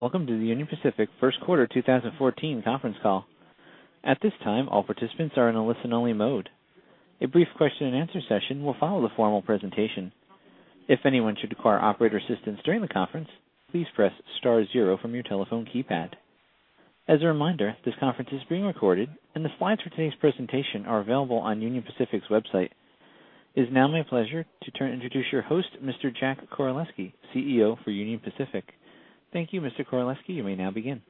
Welcome to the Union Pacific first quarter 2014 conference call. At this time, all participants are in a listen-only mode. A brief question-and-answer session will follow the formal presentation. If anyone should require operator assistance during the conference, please press star zero from your telephone keypad. As a reminder, this conference is being recorded, and the slides for today's presentation are available on Union Pacific's website. It is now my pleasure to turn and introduce your host, Mr. Jack Koraleski, CEO for Union Pacific. Thank you, Mr. Koraleski. You may now begin.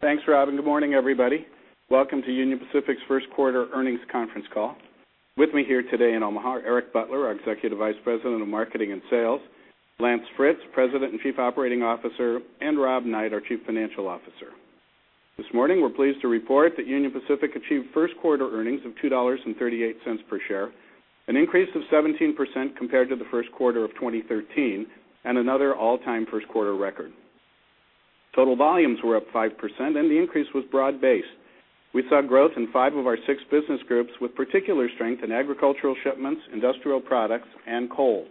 Thanks, Rob, and good morning, everybody. Welcome to Union Pacific's first quarter earnings conference call. With me here today in Omaha, Eric Butler, our Executive Vice President of Marketing and Sales, Lance Fritz, President and Chief Operating Officer, and Rob Knight, our Chief Financial Officer. This morning, we're pleased to report that Union Pacific achieved first-quarter earnings of $2.38 per share, an increase of 17% compared to the first quarter of 2013, and another all-time first-quarter record. Total volumes were up 5%, and the increase was broad-based. We saw growth in 5 of our 6 business groups, with particular strength in agricultural shipments, industrial products, and coal.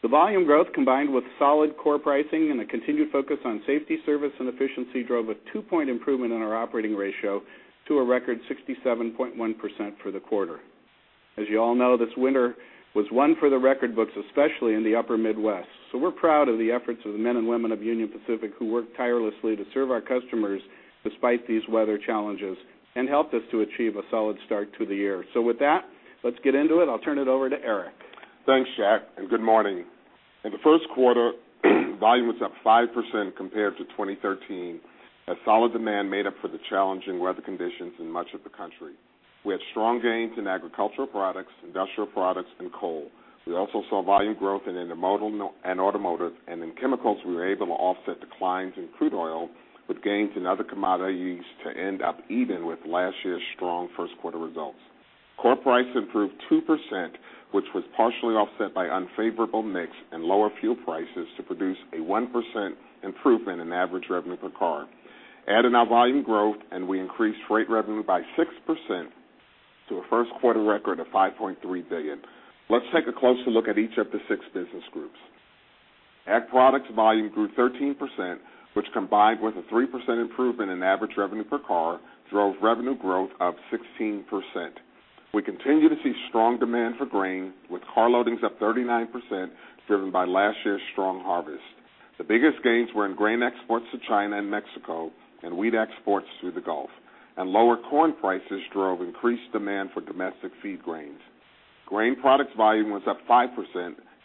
The volume growth, combined with solid core pricing and a continued focus on safety, service, and efficiency, drove a 2-point improvement in our operating ratio to a record 67.1% for the quarter. As you all know, this winter was one for the record books, especially in the upper Midwest. So we're proud of the efforts of the men and women of Union Pacific, who worked tirelessly to serve our customers despite these weather challenges and helped us to achieve a solid start to the year. So with that, let's get into it. I'll turn it over to Eric. Thanks, Jack, and good morning. In the first quarter, volume was up 5% compared to 2013, as solid demand made up for the challenging weather conditions in much of the country. We had strong gains in agricultural products, industrial products, and coal. We also saw volume growth in intermodal and automotive, and in chemicals, we were able to offset declines in crude oil with gains in other commodities to end up even with last year's strong first-quarter results. Core price improved 2%, which was partially offset by unfavorable mix and lower fuel prices to produce a 1% improvement in average revenue per car. Add in our volume growth, and we increased rate revenue by 6% to a first-quarter record of $5.3 billion. Let's take a closer look at each of the six business groups. Ag products volume grew 13%, which, combined with a 3% improvement in average revenue per car, drove revenue growth up 16%. We continue to see strong demand for grain, with car loadings up 39%, driven by last year's strong harvest. The biggest gains were in grain exports to China and Mexico and wheat exports through the Gulf, and lower corn prices drove increased demand for domestic feed grains. Grain products volume was up 5%,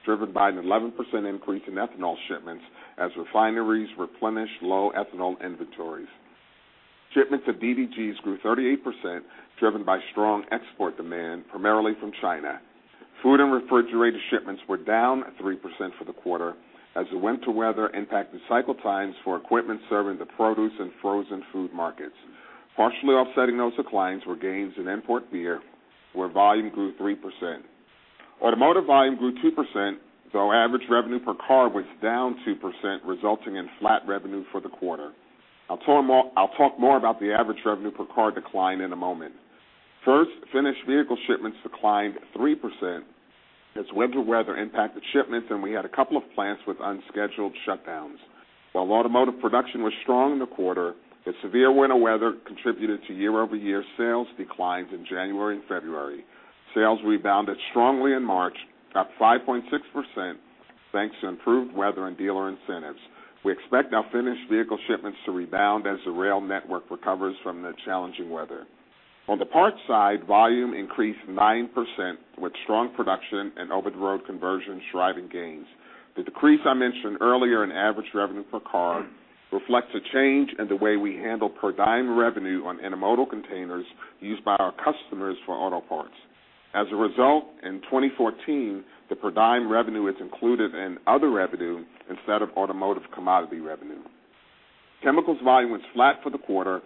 driven by an 11% increase in ethanol shipments as refineries replenished low ethanol inventories. Shipments of DDGS grew 38%, driven by strong export demand, primarily from China. Food and refrigerated shipments were down 3% for the quarter as the winter weather impacted cycle times for equipment serving the produce and frozen food markets. Partially offsetting those declines were gains in import beer, where volume grew 3%. Automotive volume grew 2%, though average revenue per car was down 2%, resulting in flat revenue for the quarter. I'll talk more, I'll talk more about the average revenue per car decline in a moment. First, finished vehicle shipments declined 3% as winter weather impacted shipments, and we had a couple of plants with unscheduled shutdowns. While automotive production was strong in the quarter, the severe winter weather contributed to year-over-year sales declines in January and February. Sales rebounded strongly in March, up 5.6%, thanks to improved weather and dealer incentives. We expect our finished vehicle shipments to rebound as the rail network recovers from the challenging weather. On the parts side, volume increased 9%, with strong production and over-the-road conversions driving gains. The decrease I mentioned earlier in average revenue per car reflects a change in the way we handle per diem revenue on intermodal containers used by our customers for auto parts. As a result, in 2014, the per diem revenue is included in other revenue instead of automotive commodity revenue. Chemicals volume was flat for the quarter,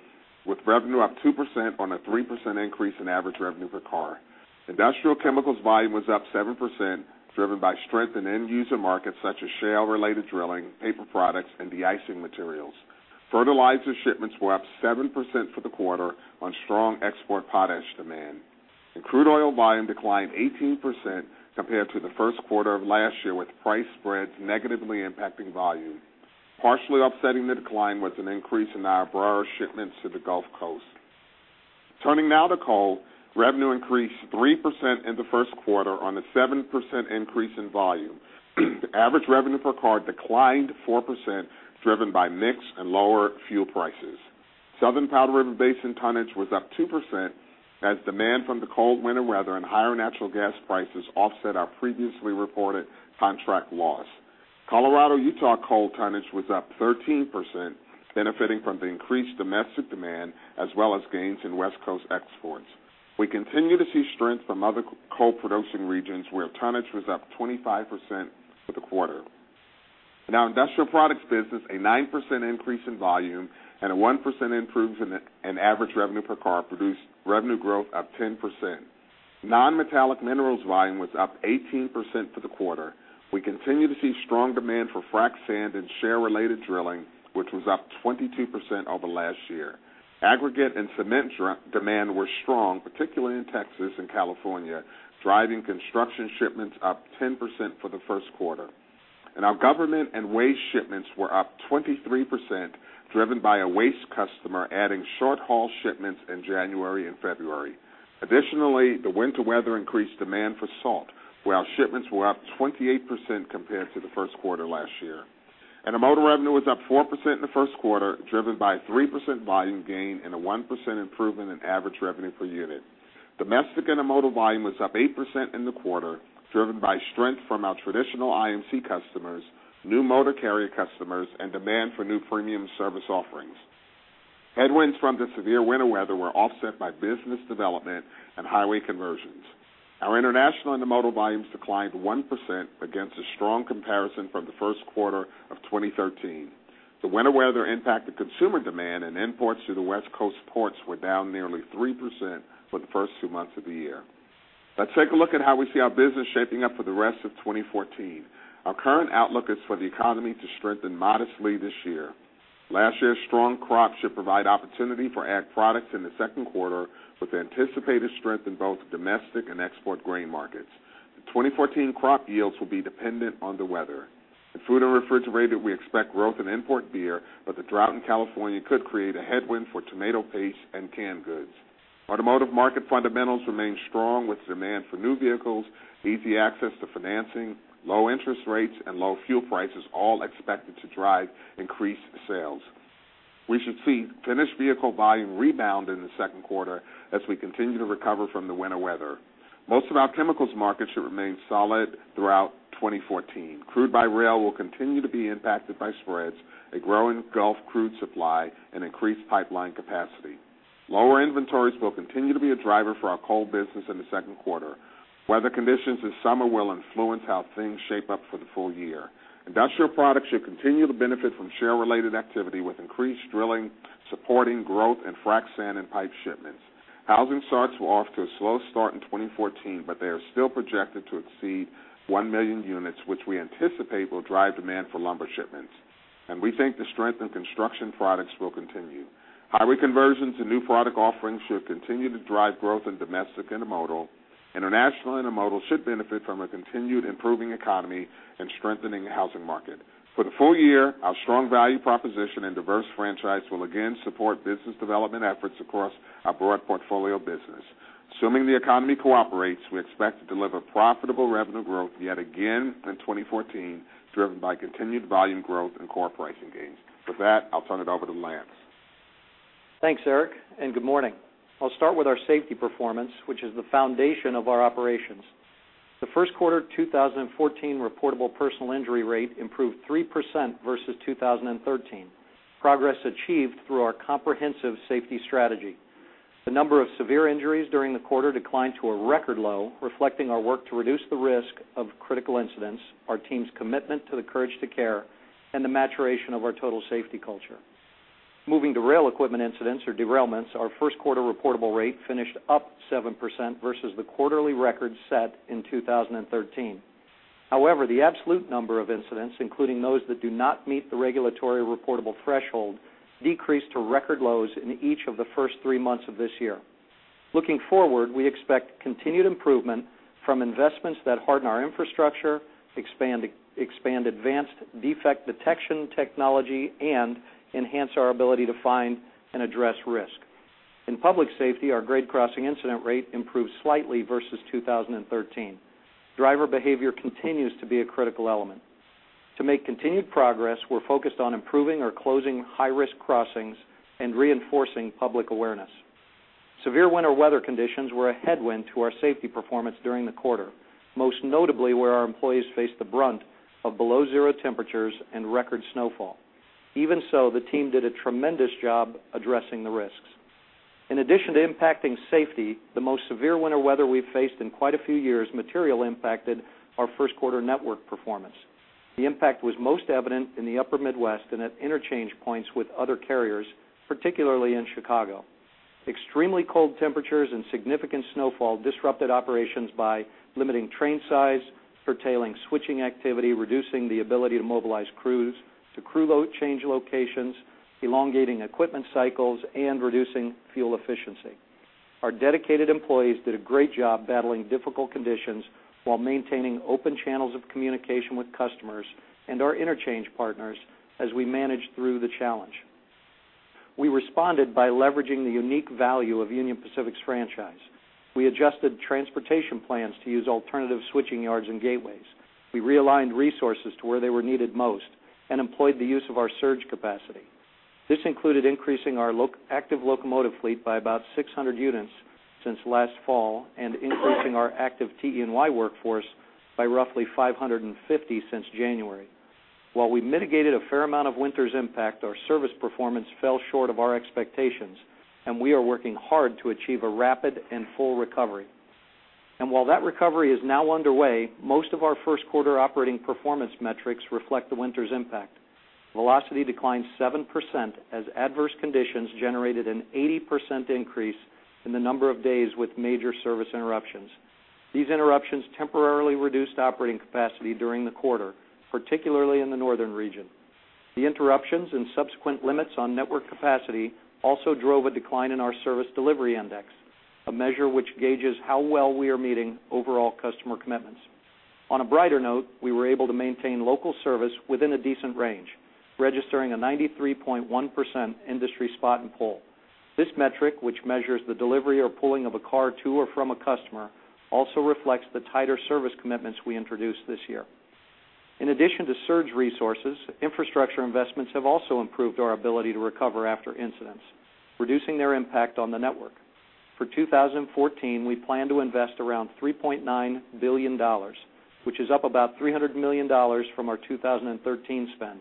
with revenue up 2% on a 3% increase in average revenue per car. Industrial chemicals volume was up 7%, driven by strength in end-user markets such as shale-related drilling, paper products, and de-icing materials. Fertilizer shipments were up 7% for the quarter on strong export potash demand. Crude oil volume declined 18% compared to the first quarter of last year, with price spreads negatively impacting volume. Partially offsetting the decline was an increase in our barrel shipments to the Gulf Coast. Turning now to coal, revenue increased 3% in the first quarter on a 7% increase in volume. Average revenue per car declined 4%, driven by mix and lower fuel prices. Southern Powder River Basin tonnage was up 2%, as demand from the cold winter weather and higher natural gas prices offset our previously reported contract loss. Colorado-Utah coal tonnage was up 13%, benefiting from the increased domestic demand as well as gains in West Coast exports. We continue to see strength from other coal-producing regions, where tonnage was up 25% for the quarter. In our industrial products business, a 9% increase in volume and a 1% improvement in average revenue per car produced revenue growth of 10%. Non-metallic minerals volume was up 18% for the quarter. We continue to see strong demand for frac sand and shale-related drilling, which was up 22% over last year. Aggregate and cement demand were strong, particularly in Texas and California, driving construction shipments up 10% for the first quarter. Our government and waste shipments were up 23%, driven by a waste customer adding short-haul shipments in January and February. Additionally, the winter weather increased demand for salt, where our shipments were up 28% compared to the first quarter last year. Intermodal revenue was up 4% in the first quarter, driven by a 3% volume gain and a 1% improvement in average revenue per unit. Domestic intermodal volume was up 8% in the quarter, driven by strength from our traditional IMC customers, new motor carrier customers, and demand for new premium service offerings. Headwinds from the severe winter weather were offset by business development and highway conversions. Our international intermodal volumes declined 1% against a strong comparison from the first quarter of 2013. The winter weather impacted consumer demand, and imports through the West Coast ports were down nearly 3% for the first two months of the year. Let's take a look at how we see our business shaping up for the rest of 2014. Our current outlook is for the economy to strengthen modestly this year. Last year's strong crops should provide opportunity for ag products in the second quarter, with anticipated strength in both domestic and export grain markets. The 2014 crop yields will be dependent on the weather. In food and refrigerated, we expect growth in import beer, but the drought in California could create a headwind for tomato paste and canned goods. Automotive market fundamentals remain strong, with demand for new vehicles, easy access to financing, low interest rates, and low fuel prices all expected to drive increased sales. We should see finished vehicle volume rebound in the second quarter as we continue to recover from the winter weather. Most of our chemicals markets should remain solid throughout 2014. Crude by rail will continue to be impacted by spreads, a growing Gulf crude supply, and increased pipeline capacity. Lower inventories will continue to be a driver for our coal business in the second quarter. Weather conditions this summer will influence how things shape up for the full year. Industrial products should continue to benefit from shale-related activity, with increased drilling supporting growth in frac sand and pipe shipments. Housing starts were off to a slow start in 2014, but they are still projected to exceed 1 million units, which we anticipate will drive demand for lumber shipments, and we think the strength in construction products will continue. Highway conversions and new product offerings should continue to drive growth in domestic intermodal. International intermodal should benefit from a continued improving economy and strengthening housing market. For the full year, our strong value proposition and diverse franchise will again support business development efforts across our broad portfolio of business. Assuming the economy cooperates, we expect to deliver profitable revenue growth yet again in 2014, driven by continued volume growth and core pricing gains. With that, I'll turn it over to Lance. Thanks, Eric, and good morning. I'll start with our safety performance, which is the foundation of our operations. The first quarter 2014 reportable personal injury rate improved 3% versus 2013, progress achieved through our comprehensive safety strategy. The number of severe injuries during the quarter declined to a record low, reflecting our work to reduce the risk of critical incidents, our team's commitment to the Courage to Care, and the maturation of our total safety culture. Moving to rail equipment incidents or derailments, our first quarter reportable rate finished up 7% versus the quarterly record set in 2013. However, the absolute number of incidents, including those that do not meet the regulatory reportable threshold, decreased to record lows in each of the first three months of this year. Looking forward, we expect continued improvement from investments that harden our infrastructure, expand, expand advanced defect detection technology, and enhance our ability to find and address risk. In public safety, our grade crossing incident rate improved slightly versus 2013. Driver behavior continues to be a critical element. To make continued progress, we're focused on improving or closing high-risk crossings and reinforcing public awareness. Severe winter weather conditions were a headwind to our safety performance during the quarter, most notably where our employees faced the brunt of below-zero temperatures and record snowfall. Even so, the team did a tremendous job addressing the risks. In addition to impacting safety, the most severe winter weather we've faced in quite a few years materially impacted our first quarter network performance. The impact was most evident in the upper Midwest and at interchange points with other carriers, particularly in Chicago. Extremely cold temperatures and significant snowfall disrupted operations by limiting train size, curtailing switching activity, reducing the ability to mobilize crews to crew load change locations, elongating equipment cycles, and reducing fuel efficiency. Our dedicated employees did a great job battling difficult conditions while maintaining open channels of communication with customers and our interchange partners as we managed through the challenge. We responded by leveraging the unique value of Union Pacific's franchise. We adjusted transportation plans to use alternative switching yards and gateways. We realigned resources to where they were needed most and employed the use of our surge capacity. This included increasing our locomotive active fleet by about 600 units since last fall and increasing our active TE&Y workforce by roughly 550 since January. While we mitigated a fair amount of winter's impact, our service performance fell short of our expectations, and we are working hard to achieve a rapid and full recovery. While that recovery is now underway, most of our first quarter operating performance metrics reflect the winter's impact. Velocity declined 7% as adverse conditions generated an 80% increase in the number of days with major service interruptions. These interruptions temporarily reduced operating capacity during the quarter, particularly in the Northern Region. The interruptions and subsequent limits on network capacity also drove a decline in our service delivery index, a measure which gauges how well we are meeting overall customer commitments. On a brighter note, we were able to maintain local service within a decent range, registering a 93.1% industry Spot and Pull. This metric, which measures the delivery or pulling of a car to or from a customer, also reflects the tighter service commitments we introduced this year. In addition to surge resources, infrastructure investments have also improved our ability to recover after incidents, reducing their impact on the network. For 2014, we plan to invest around $3.9 billion, which is up about $300 million from our 2013 spend.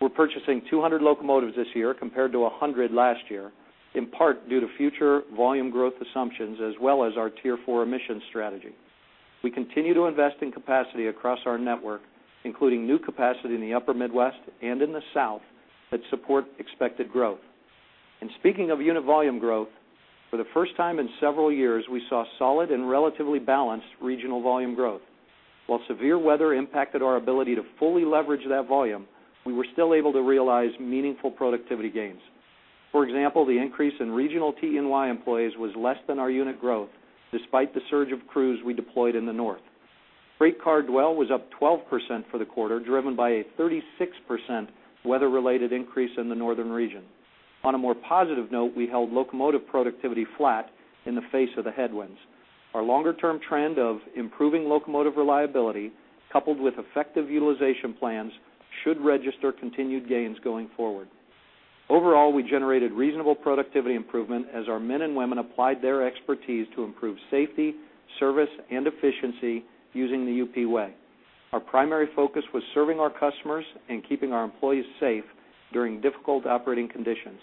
We're purchasing 200 locomotives this year compared to 100 last year, in part due to future volume growth assumptions, as well as our Tier 4 emission strategy. We continue to invest in capacity across our network, including new capacity in the upper Midwest and in the South, that support expected growth. Speaking of unit volume growth, for the first time in several years, we saw solid and relatively balanced regional volume growth. While severe weather impacted our ability to fully leverage that volume, we were still able to realize meaningful productivity gains. For example, the increase in regional TE&Y employees was less than our unit growth, despite the surge of crews we deployed in the north. Freight car dwell was up 12% for the quarter, driven by a 36% weather-related increase in the northern region. On a more positive note, we held locomotive productivity flat in the face of the headwinds. Our longer-term trend of improving locomotive reliability, coupled with effective utilization plans, should register continued gains going forward. Overall, we generated reasonable productivity improvement as our men and women applied their expertise to improve safety, service, and efficiency using the UP Way. Our primary focus was serving our customers and keeping our employees safe during difficult operating conditions.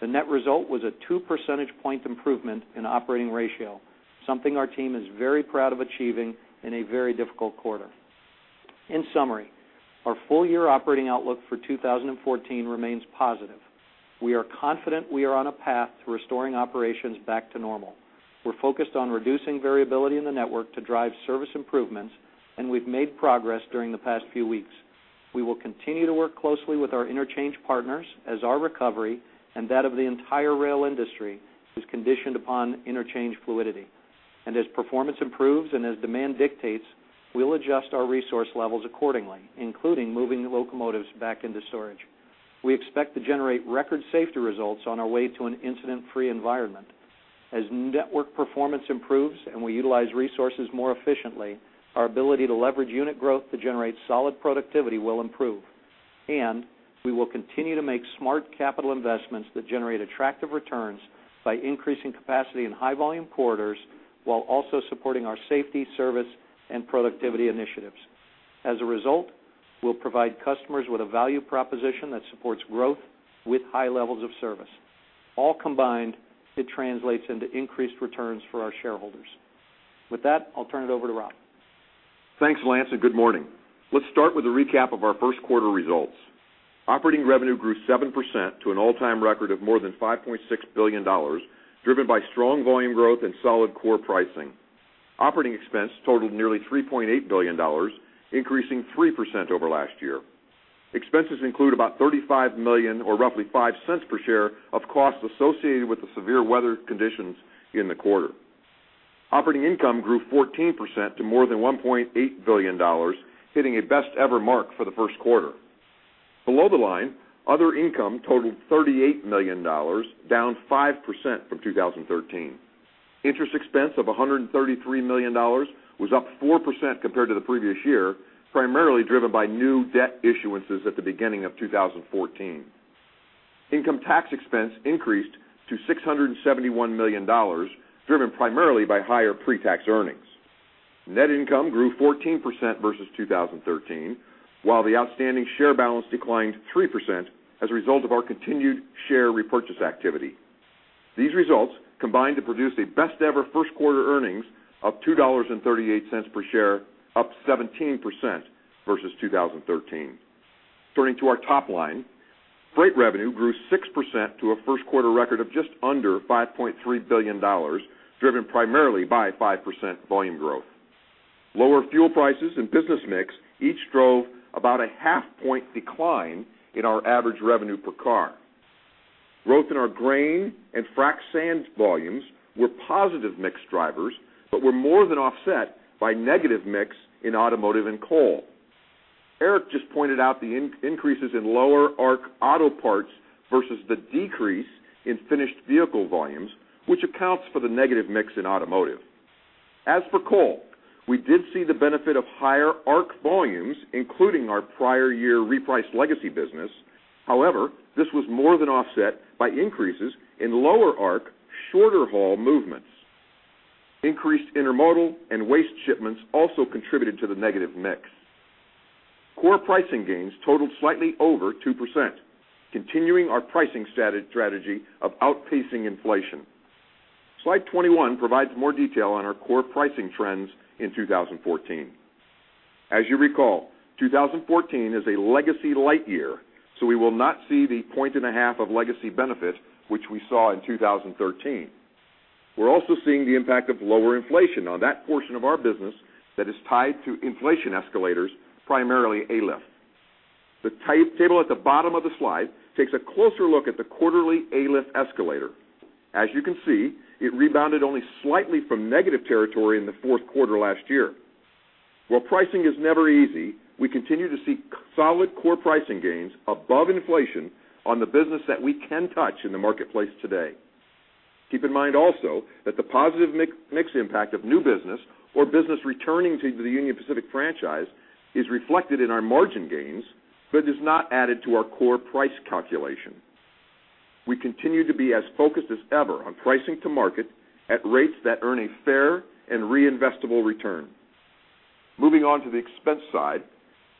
The net result was a 2 percentage point improvement in operating ratio, something our team is very proud of achieving in a very difficult quarter. In summary, our full-year operating outlook for 2014 remains positive. We are confident we are on a path to restoring operations back to normal. We're focused on reducing variability in the network to drive service improvements, and we've made progress during the past few weeks. We will continue to work closely with our interchange partners as our recovery and that of the entire rail industry is conditioned upon interchange fluidity. As performance improves and as demand dictates, we'll adjust our resource levels accordingly, including moving locomotives back into storage. We expect to generate record safety results on our way to an incident-free environment. As network performance improves and we utilize resources more efficiently, our ability to leverage unit growth to generate solid productivity will improve, and we will continue to make smart capital investments that generate attractive returns by increasing capacity in high-volume corridors while also supporting our safety, service, and productivity initiatives. As a result, we'll provide customers with a value proposition that supports growth with high levels of service. All combined, it translates into increased returns for our shareholders. With that, I'll turn it over to Rob. Thanks, Lance, and good morning. Let's start with a recap of our first quarter results. Operating revenue grew 7% to an all-time record of more than $5.6 billion, driven by strong volume growth and solid core pricing. Operating expense totaled nearly $3.8 billion, increasing 3% over last year. Expenses include about $35 million, or roughly $0.05 per share, of costs associated with the severe weather conditions in the quarter. Operating income grew 14% to more than $1.8 billion, hitting a best-ever mark for the first quarter. Below the line, other income totaled $38 million, down 5% from 2013. Interest expense of $133 million was up 4% compared to the previous year, primarily driven by new debt issuances at the beginning of 2014. Income tax expense increased to $671 million, driven primarily by higher pretax earnings. Net income grew 14% versus 2013, while the outstanding share balance declined 3% as a result of our continued share repurchase activity. These results combined to produce a best-ever first quarter earnings of $2.38 per share, up 17% versus 2013. Turning to our top line, freight revenue grew 6% to a first quarter record of just under $5.3 billion, driven primarily by 5% volume growth. Lower fuel prices and business mix each drove about a half point decline in our average revenue per car. Growth in our grain and frac sand volumes were positive mix drivers, but were more than offset by negative mix in automotive and coal. Eric just pointed out the increases in lower ARC auto parts versus the decrease in finished vehicle volumes, which accounts for the negative mix in automotive. As for coal, we did see the benefit of higher ARC volumes, including our prior year repriced legacy business. However, this was more than offset by increases in lower ARC, shorter haul movements. Increased intermodal and waste shipments also contributed to the negative mix. Core pricing gains totaled slightly over 2%, continuing our pricing strategy of outpacing inflation. Slide 21 provides more detail on our core pricing trends in 2014.... As you recall, 2014 is a legacy light year, so we will not see the 1.5 points of legacy benefit, which we saw in 2013. We're also seeing the impact of lower inflation on that portion of our business that is tied to inflation escalators, primarily ALIF. The table at the bottom of the slide takes a closer look at the quarterly ALIF escalator. As you can see, it rebounded only slightly from negative territory in the fourth quarter last year. While pricing is never easy, we continue to see solid core pricing gains above inflation on the business that we can touch in the marketplace today. Keep in mind also that the positive mix impact of new business or business returning to the Union Pacific franchise is reflected in our margin gains, but is not added to our core price calculation. We continue to be as focused as ever on pricing to market at rates that earn a fair and reinvestable return. Moving on to the expense side,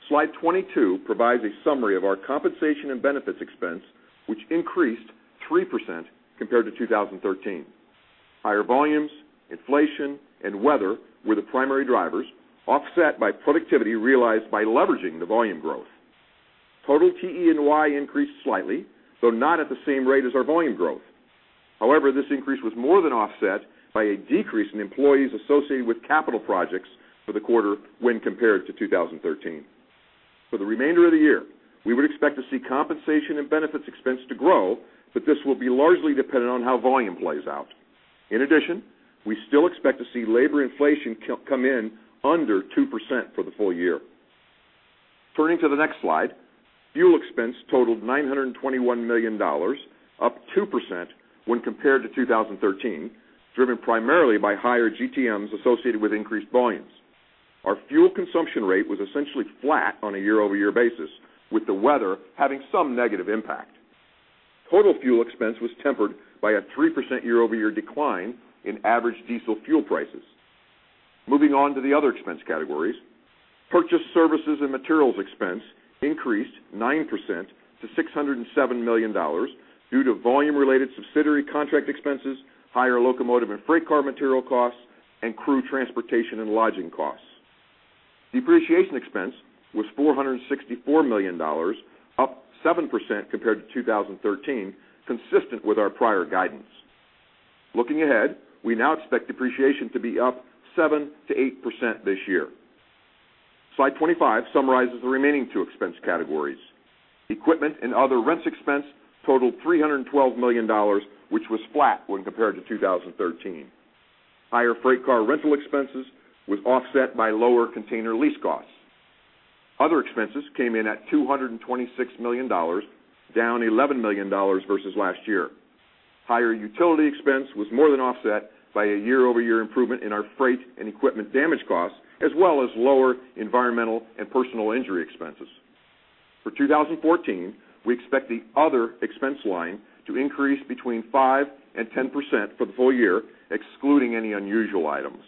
slide 22 provides a summary of our compensation and benefits expense, which increased 3% compared to 2013. Higher volumes, inflation, and weather were the primary drivers, offset by productivity realized by leveraging the volume growth. Total TE&Y increased slightly, though not at the same rate as our volume growth. However, this increase was more than offset by a decrease in employees associated with capital projects for the quarter when compared to 2013. For the remainder of the year, we would expect to see compensation and benefits expense to grow, but this will be largely dependent on how volume plays out. In addition, we still expect to see labor inflation come in under 2% for the full year. Turning to the next slide, fuel expense totaled $921 million, up 2% when compared to 2013, driven primarily by higher GTMs associated with increased volumes. Our fuel consumption rate was essentially flat on a year-over-year basis, with the weather having some negative impact. Total fuel expense was tempered by a 3% year-over-year decline in average diesel fuel prices. Moving on to the other expense categories, purchase services and materials expense increased 9% to $607 million due to volume-related subsidiary contract expenses, higher locomotive and freight car material costs, and crew transportation and lodging costs. Depreciation expense was $464 million, up 7% compared to 2013, consistent with our prior guidance. Looking ahead, we now expect depreciation to be up 7%-8% this year. Slide 25 summarizes the remaining two expense categories. Equipment and other rents expense totaled $312 million, which was flat when compared to 2013. Higher freight car rental expenses was offset by lower container lease costs. Other expenses came in at $226 million, down $11 million versus last year. Higher utility expense was more than offset by a year-over-year improvement in our freight and equipment damage costs, as well as lower environmental and personal injury expenses. For 2014, we expect the other expense line to increase between 5% and 10% for the full year, excluding any unusual items.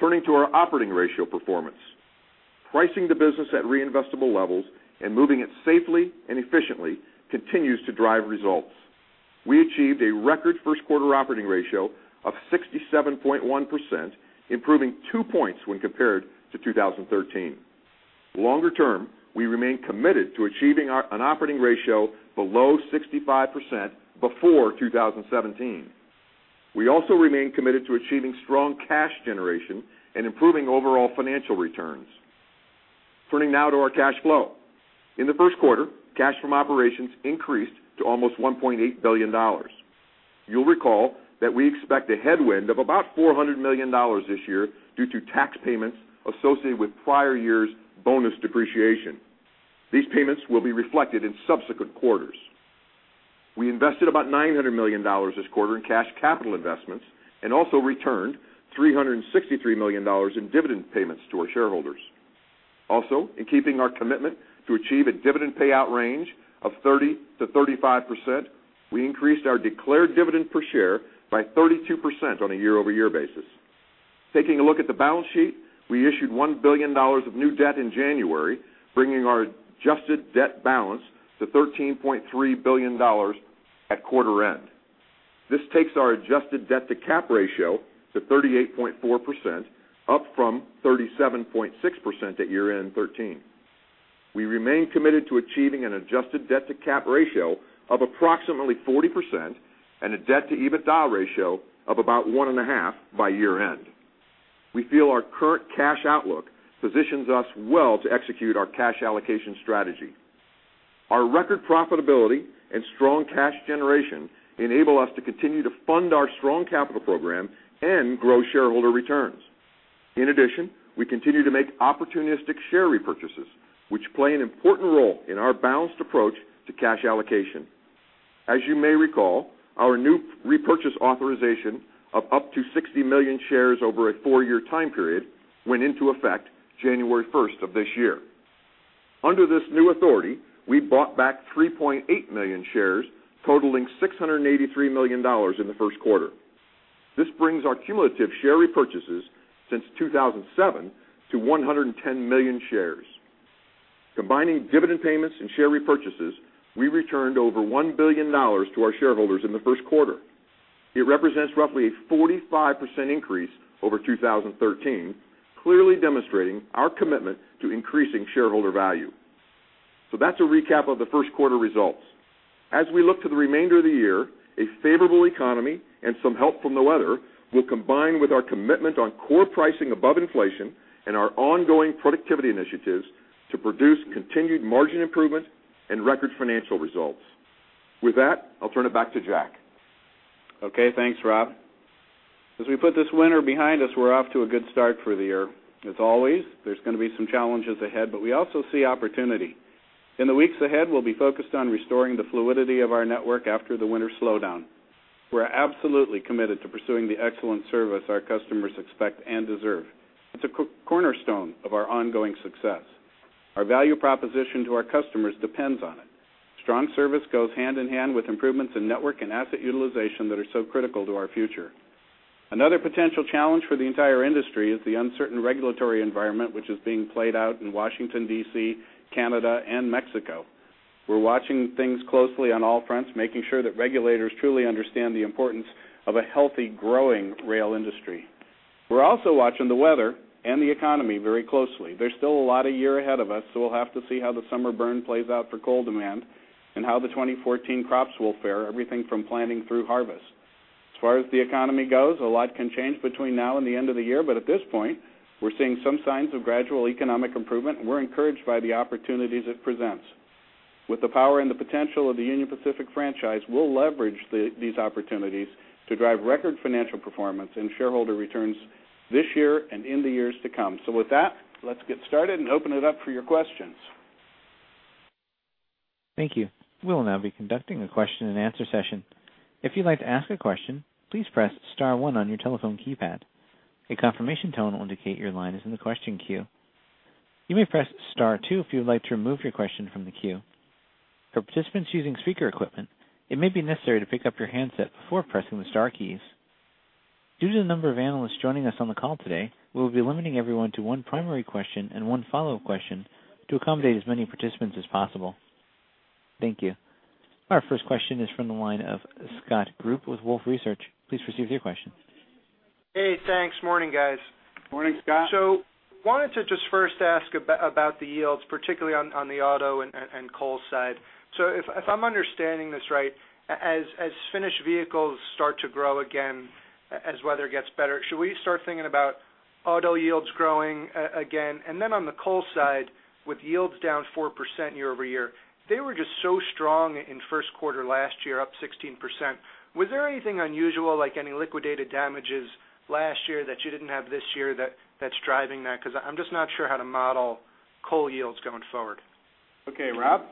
Turning to our operating ratio performance. Pricing the business at reinvestable levels and moving it safely and efficiently continues to drive results. We achieved a record first quarter operating ratio of 67.1%, improving 2 points when compared to 2013. Longer term, we remain committed to achieving an operating ratio below 65% before 2017. We also remain committed to achieving strong cash generation and improving overall financial returns. Turning now to our cash flow. In the first quarter, cash from operations increased to almost $1.8 billion. You'll recall that we expect a headwind of about $400 million this year due to tax payments associated with prior years' bonus depreciation. These payments will be reflected in subsequent quarters. We invested about $900 million this quarter in cash capital investments and also returned $363 million in dividend payments to our shareholders. Also, in keeping our commitment to achieve a dividend payout range of 30%-35%, we increased our declared dividend per share by 32% on a year-over-year basis. Taking a look at the balance sheet, we issued $1 billion of new debt in January, bringing our adjusted debt balance to $13.3 billion at quarter end. This takes our adjusted debt-to-cap ratio to 38.4%, up from 37.6% at year-end 2013. We remain committed to achieving an adjusted debt-to-cap ratio of approximately 40% and a debt-to-EBITDA ratio of about 1.5 by year-end. We feel our current cash outlook positions us well to execute our cash allocation strategy. Our record profitability and strong cash generation enable us to continue to fund our strong capital program and grow shareholder returns. In addition, we continue to make opportunistic share repurchases, which play an important role in our balanced approach to cash allocation. As you may recall, our new repurchase authorization of up to 60 million shares over a 4-year time period went into effect January 1 of this year. Under this new authority, we bought back 3.8 million shares, totaling $683 million in the first quarter. This brings our cumulative share repurchases since 2007 to 110 million shares. Combining dividend payments and share repurchases, we returned over $1 billion to our shareholders in the first quarter. It represents roughly a 45% increase over 2013, clearly demonstrating our commitment to increasing shareholder value. That's a recap of the first quarter results. As we look to the remainder of the year, a favorable economy and some help from the weather will combine with our commitment on core pricing above inflation and our ongoing productivity initiatives to produce continued margin improvement and record financial results. With that, I'll turn it back to Jack. Okay, thanks, Rob. As we put this winter behind us, we're off to a good start for the year. As always, there's gonna be some challenges ahead, but we also see opportunity. In the weeks ahead, we'll be focused on restoring the fluidity of our network after the winter slowdown. We're absolutely committed to pursuing the excellent service our customers expect and deserve. It's a cornerstone of our ongoing success. Our value proposition to our customers depends on it. Strong service goes hand in hand with improvements in network and asset utilization that are so critical to our future. Another potential challenge for the entire industry is the uncertain regulatory environment, which is being played out in Washington, D.C., Canada, and Mexico. We're watching things closely on all fronts, making sure that regulators truly understand the importance of a healthy, growing rail industry. We're also watching the weather and the economy very closely. There's still a lot of year ahead of us, so we'll have to see how the summer burn plays out for coal demand and how the 2014 crops will fare, everything from planting through harvest. As far as the economy goes, a lot can change between now and the end of the year, but at this point, we're seeing some signs of gradual economic improvement, and we're encouraged by the opportunities it presents. With the power and the potential of the Union Pacific franchise, we'll leverage these opportunities to drive record financial performance and shareholder returns this year and in the years to come. So with that, let's get started and open it up for your questions. Thank you. We'll now be conducting a question-and-answer session. If you'd like to ask a question, please press star one on your telephone keypad. A confirmation tone will indicate your line is in the question queue. You may press star two if you would like to remove your question from the queue. For participants using speaker equipment, it may be necessary to pick up your handset before pressing the star keys. Due to the number of analysts joining us on the call today, we will be limiting everyone to one primary question and one follow-up question to accommodate as many participants as possible. Thank you. Our first question is from the line of Scott Group with Wolfe Research. Please proceed with your question. Hey, thanks. Morning, guys. Morning, Scott. Wanted to just first ask about the yields, particularly on the auto and coal side. If I'm understanding this right, as finished vehicles start to grow again, as weather gets better, should we start thinking about auto yields growing again? And then on the coal side, with yields down 4% year-over-year, they were just so strong in first quarter last year, up 16%. Was there anything unusual, like any liquidated damages last year that you didn't have this year, that's driving that? Because I'm just not sure how to model coal yields going forward. Okay, Rob?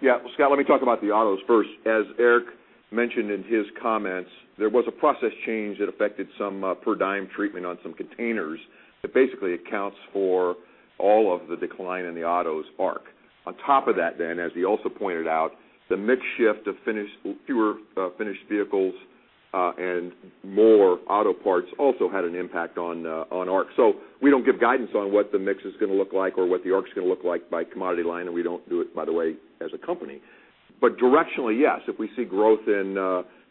Yeah, Scott, let me talk about the autos first. As Eric mentioned in his comments, there was a process change that affected some per diem treatment on some containers that basically accounts for all of the decline in the autos ARC. On top of that then, as he also pointed out, the mix shift of fewer finished vehicles and more auto parts also had an impact on ARC. So we don't give guidance on what the mix is gonna look like or what the ARC is gonna look like by commodity line, and we don't do it, by the way, as a company. But directionally, yes, if we see growth in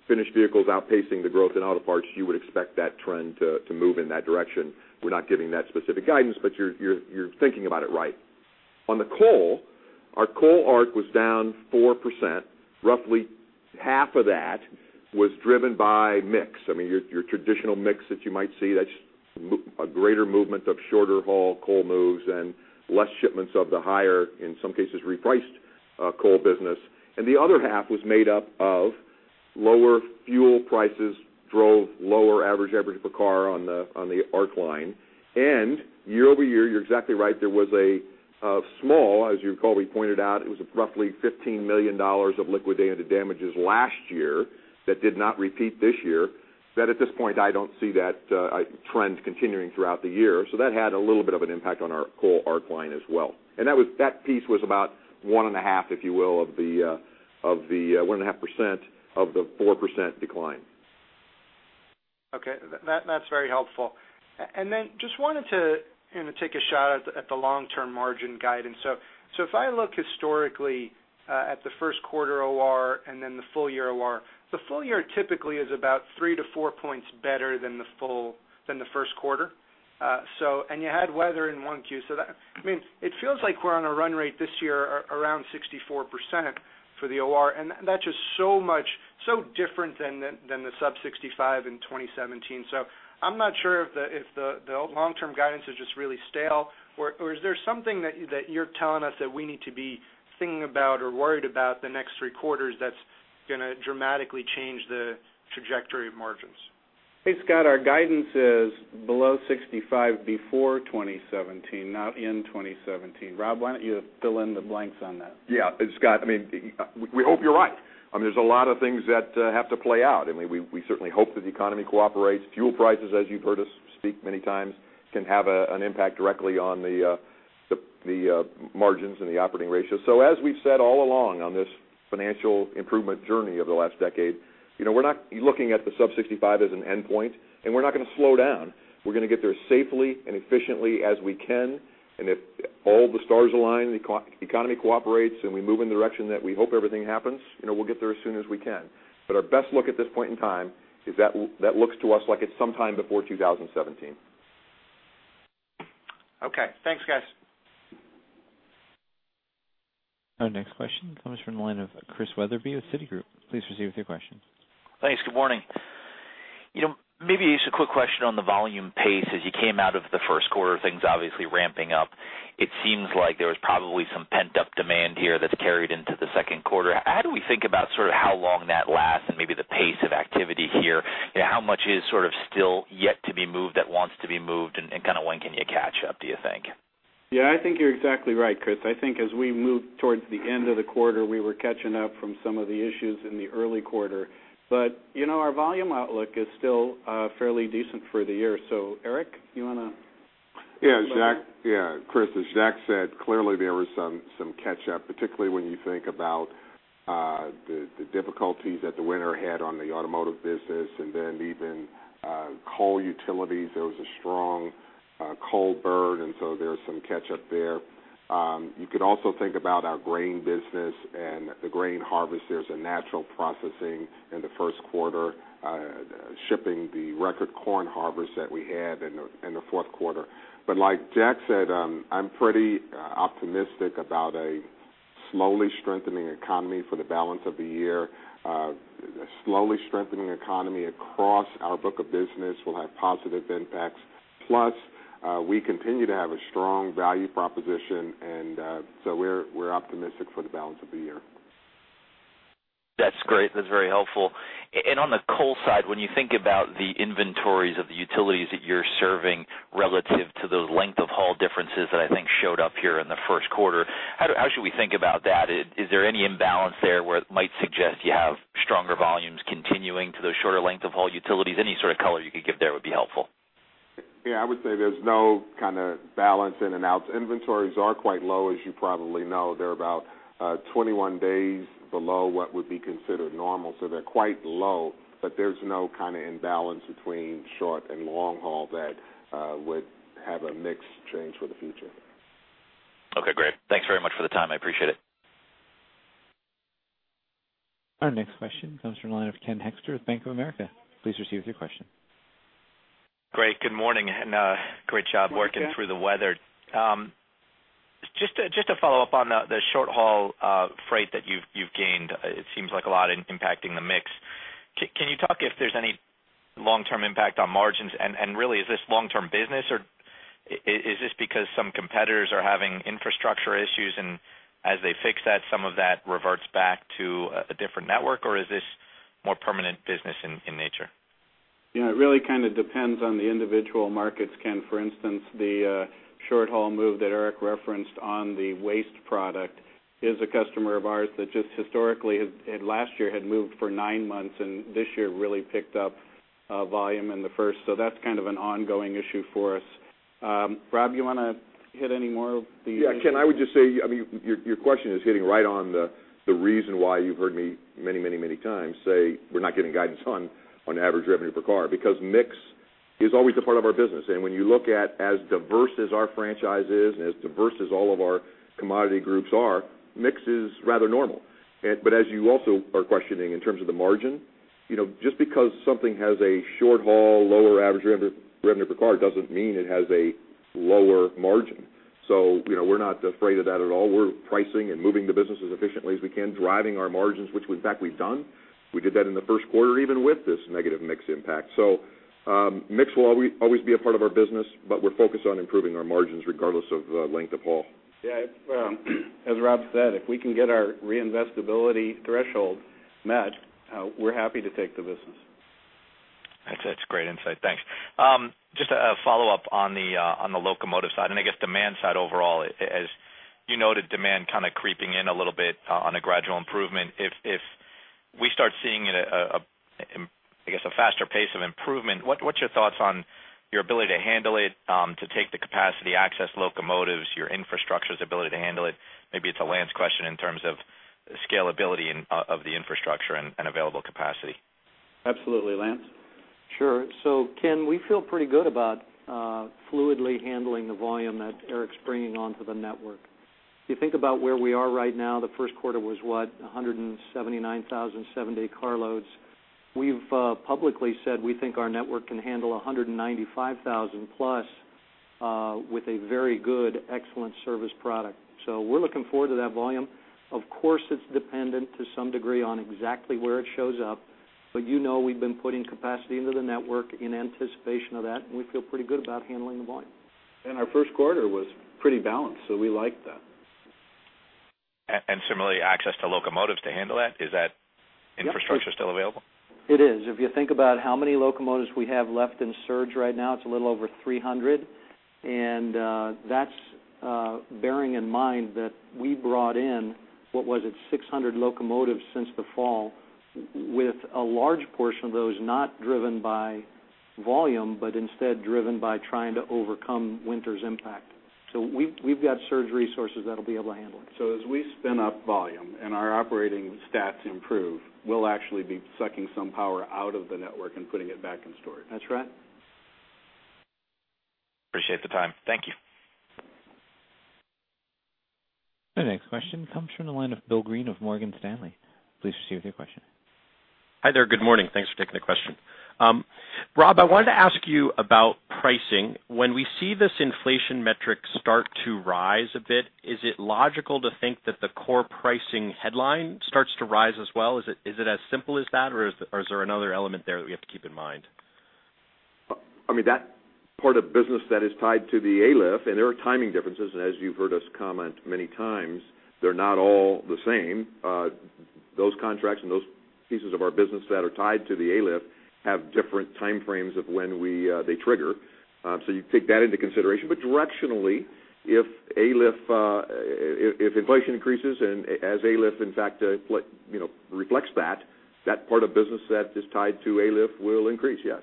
finished vehicles outpacing the growth in auto parts, you would expect that trend to move in that direction. We're not giving that specific guidance, but you're thinking about it right. On the coal, our coal ARC was down 4%. Roughly half of that was driven by mix. I mean, your traditional mix that you might see, that's a greater movement of shorter-haul coal moves and less shipments of the higher, in some cases, repriced coal business. And the other half was made up of lower fuel prices, drove lower average per car on the ARC line. And year-over-year, you're exactly right, there was a small, as you call, we pointed out, it was roughly $15 million of liquidated damages last year that did not repeat this year, that at this point, I don't see that trend continuing throughout the year. That had a little bit of an impact on our coal ARC line as well. That piece was about 1.5, if you will, of the 1.5% of the 4% decline. Okay, that, that's very helpful. And then just wanted to, you know, take a shot at the long-term margin guidance. So if I look historically at the first quarter OR and then the full year OR, the full year typically is about 3-4 points better than the full than the first quarter. So, and you had weather in Q1. So that, I mean, it feels like we're on a run rate this year around 64% for the OR, and that's just so much, so different than the sub-65 in 2017. So I'm not sure if the long-term guidance is just really stale, or is there something that you're telling us that we need to be thinking about or worried about the next three quarters that's gonna dramatically change the trajectory of margins? Hey, Scott, our guidance is below 65 before 2017, not in 2017. Rob, why don't you fill in the blanks on that? Yeah. And Scott, I mean, we hope you're right. I mean, there's a lot of things that have to play out. I mean, we certainly hope that the economy cooperates. Fuel prices, as you've heard us speak many times, can have a, an impact directly on the margins and the operating ratios. So as we've said all along on this financial improvement journey over the last decade, you know, we're not looking at the sub-65 as an endpoint, and we're not going to slow down. We're going to get there safely and efficiently as we can, and if all the stars align, the economy cooperates, and we move in the direction that we hope everything happens, you know, we'll get there as soon as we can. Our best look at this point in time is that that looks to us like it's sometime before 2017. Okay, thanks, guys. Our next question comes from the line of Chris Wetherbee with Citigroup. Please proceed with your question. Thanks. Good morning. You know, maybe just a quick question on the volume pace. As you came out of the first quarter, things obviously ramping up, it seems like there was probably some pent-up demand here that's carried into the second quarter. How do we think about sort of how long that lasts and maybe the pace of activity here? And how much is sort of still yet to be moved that wants to be moved, and, and kind of when can you catch up, do you think? Yeah, I think you're exactly right, Chris. I think as we moved towards the end of the quarter, we were catching up from some of the issues in the early quarter. But, you know, our volume outlook is still fairly decent for the year. So Eric, you want to- Yeah, Jack. Yeah, Chris, as Jack said, clearly, there was some catch up, particularly when you think about the difficulties that the winter had on the automotive business, and then even coal utilities, there was a strong coal burn, and so there was some catch up there. You could also think about our grain business and the grain harvest. There's a natural processing in the first quarter, shipping the record corn harvest that we had in the fourth quarter. But like Jack said, I'm pretty optimistic about a slowly strengthening economy for the balance of the year. A slowly strengthening economy across our book of business will have positive impacts. Plus, we continue to have a strong value proposition, and so we're optimistic for the balance of the year. That's great. That's very helpful. And on the coal side, when you think about the inventories of the utilities that you're serving relative to those length of haul differences that I think showed up here in the first quarter, how should we think about that? Is there any imbalance there where it might suggest you have stronger volumes continuing to those shorter length of haul utilities? Any sort of color you could give there would be helpful. Yeah, I would say there's no kind of balance in and out. Inventories are quite low, as you probably know. They're about 21 days below what would be considered normal, so they're quite low, but there's no kind of imbalance between short and long haul that would have a mixed change for the future. Okay, great. Thanks very much for the time. I appreciate it. Our next question comes from the line of Ken Hoexter, Bank of America. Please proceed with your question. Great. Good morning, and great job working- Good morning, Ken. Through the weather. Just to follow up on the short haul freight that you've gained, it seems like a lot impacting the mix. Can you talk if there's any long-term impact on margins? And really, is this long-term business, or is this because some competitors are having infrastructure issues, and as they fix that, some of that reverts back to a different network, or is this more permanent business in nature? You know, it really kind of depends on the individual markets, Ken. For instance, the short-haul move that Eric referenced on the waste product is a customer of ours that just historically had, had last year had moved for nine months, and this year really picked up volume in the first. So that's kind of an ongoing issue for us. Rob, you want to hit any more of the- Yeah, Ken, I would just say, I mean, your, your question is hitting right on the, the reason why you've heard me many, many, many times say we're not giving guidance on, on average revenue per car, because mix is always a part of our business. And when you look at as diverse as our franchise is and as diverse as all of our commodity groups are, mix is rather normal. But as you also are questioning in terms of the margin, you know, just because something has a short haul, lower average revenue, revenue per car, doesn't mean it has a lower margin. So, you know, we're not afraid of that at all. We're pricing and moving the business as efficiently as we can, driving our margins, which in fact, we've done. We did that in the first quarter, even with this negative mix impact. So, mix will always, always be a part of our business, but we're focused on improving our margins regardless of length of haul. Yeah, as Rob said, if we can get our reinvestibility threshold met, we're happy to take the business. That's, that's great insight. Thanks. Just a follow-up on the locomotive side, and I guess demand side overall. As you noted, demand kind of creeping in a little bit on a gradual improvement. If we start seeing it a faster pace of improvement, what's your thoughts on your ability to handle it, to take the capacity, access locomotives, your infrastructure's ability to handle it? Maybe it's a Lance question in terms of scalability and of the infrastructure and available capacity. Absolutely, Lance? Sure. So Ken, we feel pretty good about fluidly handling the volume that Eric's bringing onto the network. If you think about where we are right now, the first quarter was, what? 179,000 seven-day carloads. We've publicly said we think our network can handle 195,000+ with a very good, excellent service product. So we're looking forward to that volume. Of course, it's dependent to some degree on exactly where it shows up, but you know we've been putting capacity into the network in anticipation of that, and we feel pretty good about handling the volume. Our first quarter was pretty balanced, so we like that. And similarly, access to locomotives to handle that, is that infrastructure still available? It is. If you think about how many locomotives we have left in surge right now, it's a little over 300, and that's bearing in mind that we brought in, what was it? 600 locomotives since the fall, with a large portion of those not driven by volume, but instead driven by trying to overcome winter's impact. ... So we've got surge resources that'll be able to handle it. As we spin up volume and our operating stats improve, we'll actually be sucking some power out of the network and putting it back in storage. That's right? Appreciate the time. Thank you. The next question comes from the line of Bill Greene of Morgan Stanley. Please proceed with your question. Hi there. Good morning. Thanks for taking the question. Rob, I wanted to ask you about pricing. When we see this inflation metric start to rise a bit, is it logical to think that the core pricing headline starts to rise as well? Is it as simple as that, or is there another element there that we have to keep in mind? I mean, that part of business that is tied to the ALIF, and there are timing differences, and as you've heard us comment many times, they're not all the same. Those contracts and those pieces of our business that are tied to the ALIF have different time frames of when we, they trigger. So you take that into consideration. But directionally, if ALIF, if, if inflation increases and as ALIF, in fact, you know, reflects that, that part of business that is tied to ALIF will increase, yes.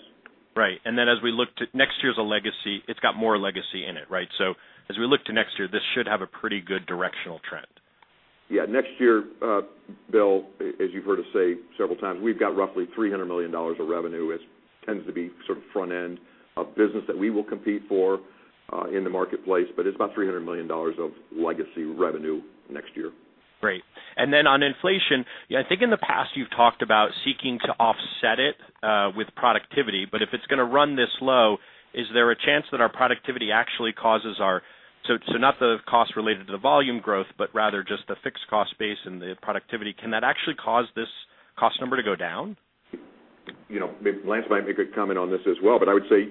Right. And then, as we look to next year's a legacy, it's got more legacy in it, right? So as we look to next year, this should have a pretty good directional trend. Yeah. Next year, Bill, as you've heard us say several times, we've got roughly $300 million of revenue, which tends to be sort of front end of business that we will compete for in the marketplace, but it's about $300 million of legacy revenue next year. Great. And then, on inflation, yeah, I think in the past, you've talked about seeking to offset it with productivity, but if it's gonna run this low, is there a chance that our productivity actually causes our... So, not the cost related to the volume growth, but rather just the fixed cost base and the productivity, can that actually cause this cost number to go down? You know, maybe Lance might make a comment on this as well, but I would say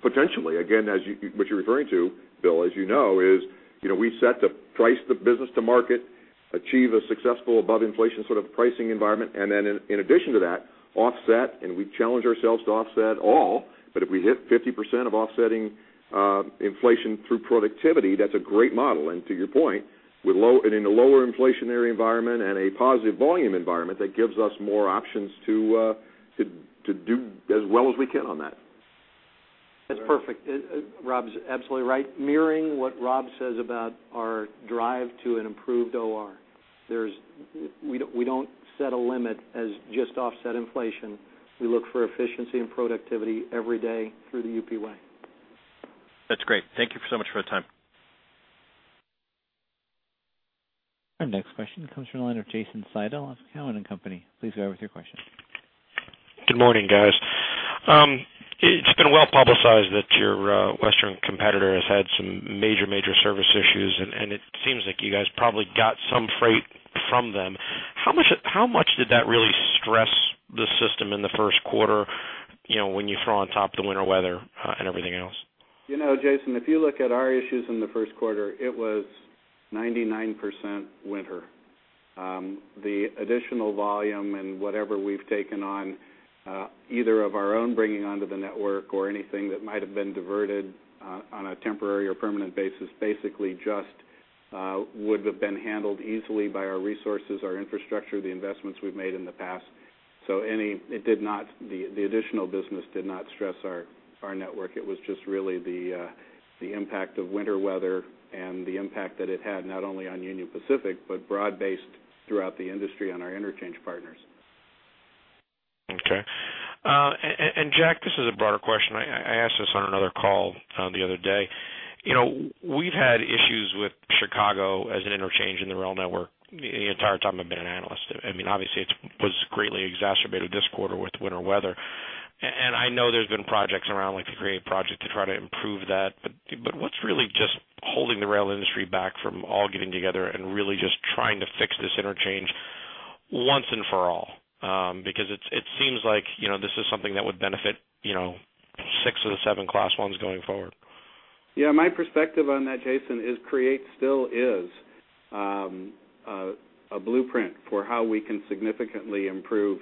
potentially. Again, as you, what you're referring to, Bill, as you know, is, you know, we set to price the business to market, achieve a successful above-inflation sort of pricing environment, and then in, in addition to that, offset, and we challenge ourselves to offset all, but if we hit 50% of offsetting, inflation through productivity, that's a great model. And to your point, with low- and in a lower inflationary environment and a positive volume environment, that gives us more options to, to, to do as well as we can on that. That's perfect. Rob's absolutely right. Mirroring what Rob says about our drive to an improved OR, we don't set a limit as just offset inflation. We look for efficiency and productivity every day through the UP Way. That's great. Thank you so much for the time. Our next question comes from the line of Jason Seidel of Cowen and Company. Please go ahead with your question. Good morning, guys. It's been well publicized that your western competitor has had some major, major service issues, and it seems like you guys probably got some freight from them. How much, how much did that really stress the system in the first quarter, you know, when you throw on top the winter weather and everything else? You know, Jason, if you look at our issues in the first quarter, it was 99% winter. The additional volume and whatever we've taken on, either of our own bringing onto the network or anything that might have been diverted, on a temporary or permanent basis, basically just would have been handled easily by our resources, our infrastructure, the investments we've made in the past. So it did not. The additional business did not stress our network. It was just really the impact of winter weather and the impact that it had, not only on Union Pacific, but broad-based throughout the industry on our interchange partners. Okay. Jack, this is a broader question. I asked this on another call, the other day. You know, we've had issues with Chicago as an interchange in the rail network the entire time I've been an analyst. I mean, obviously, it was greatly exacerbated this quarter with winter weather. And I know there's been projects around, like the CREATE project, to try to improve that, but what's really just holding the rail industry back from all getting together and really just trying to fix this interchange once and for all? Because it seems like, you know, this is something that would benefit, you know, six of the seven Class I's going forward. Yeah, my perspective on that, Jason, is CREATE still is a blueprint for how we can significantly improve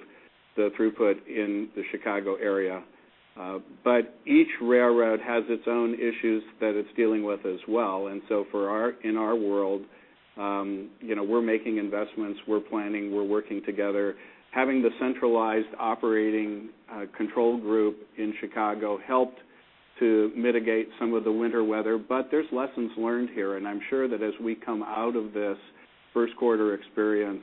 the throughput in the Chicago area. But each railroad has its own issues that it's dealing with as well. And so for our—in our world, you know, we're making investments, we're planning, we're working together. Having the centralized operating control group in Chicago helped to mitigate some of the winter weather, but there's lessons learned here, and I'm sure that as we come out of this first quarter experience,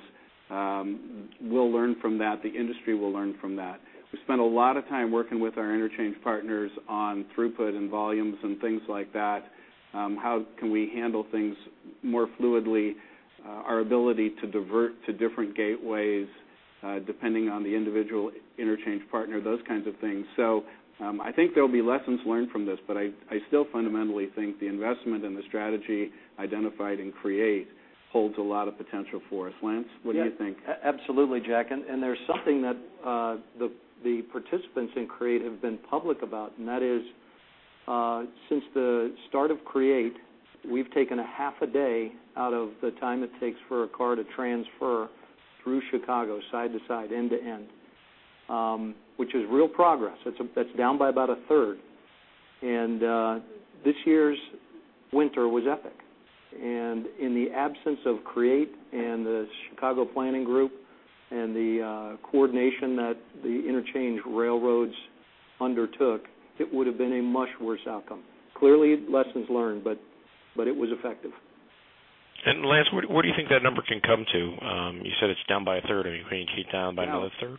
we'll learn from that. The industry will learn from that. We spent a lot of time working with our interchange partners on throughput and volumes and things like that. How can we handle things more fluidly? Our ability to divert to different gateways, depending on the individual interchange partner, those kinds of things. So, I think there'll be lessons learned from this, but I still fundamentally think the investment and the strategy identified in CREATE holds a lot of potential for us. Lance, what do you think? Yeah. Absolutely, Jack, and there's something that the participants in CREATE have been public about, and that is, since the start of CREATE, we've taken half a day out of the time it takes for a car to transfer through Chicago, side to side, end to end, which is real progress. That's down by about a third. And this year's winter was epic... and in the absence of CREATE and the Chicago Planning Group and the coordination that the interchange railroads undertook, it would have been a much worse outcome. Clearly, lessons learned, but it was effective. Lance, where, where do you think that number can come to? You said it's down by a third. I mean, can you get down by another third?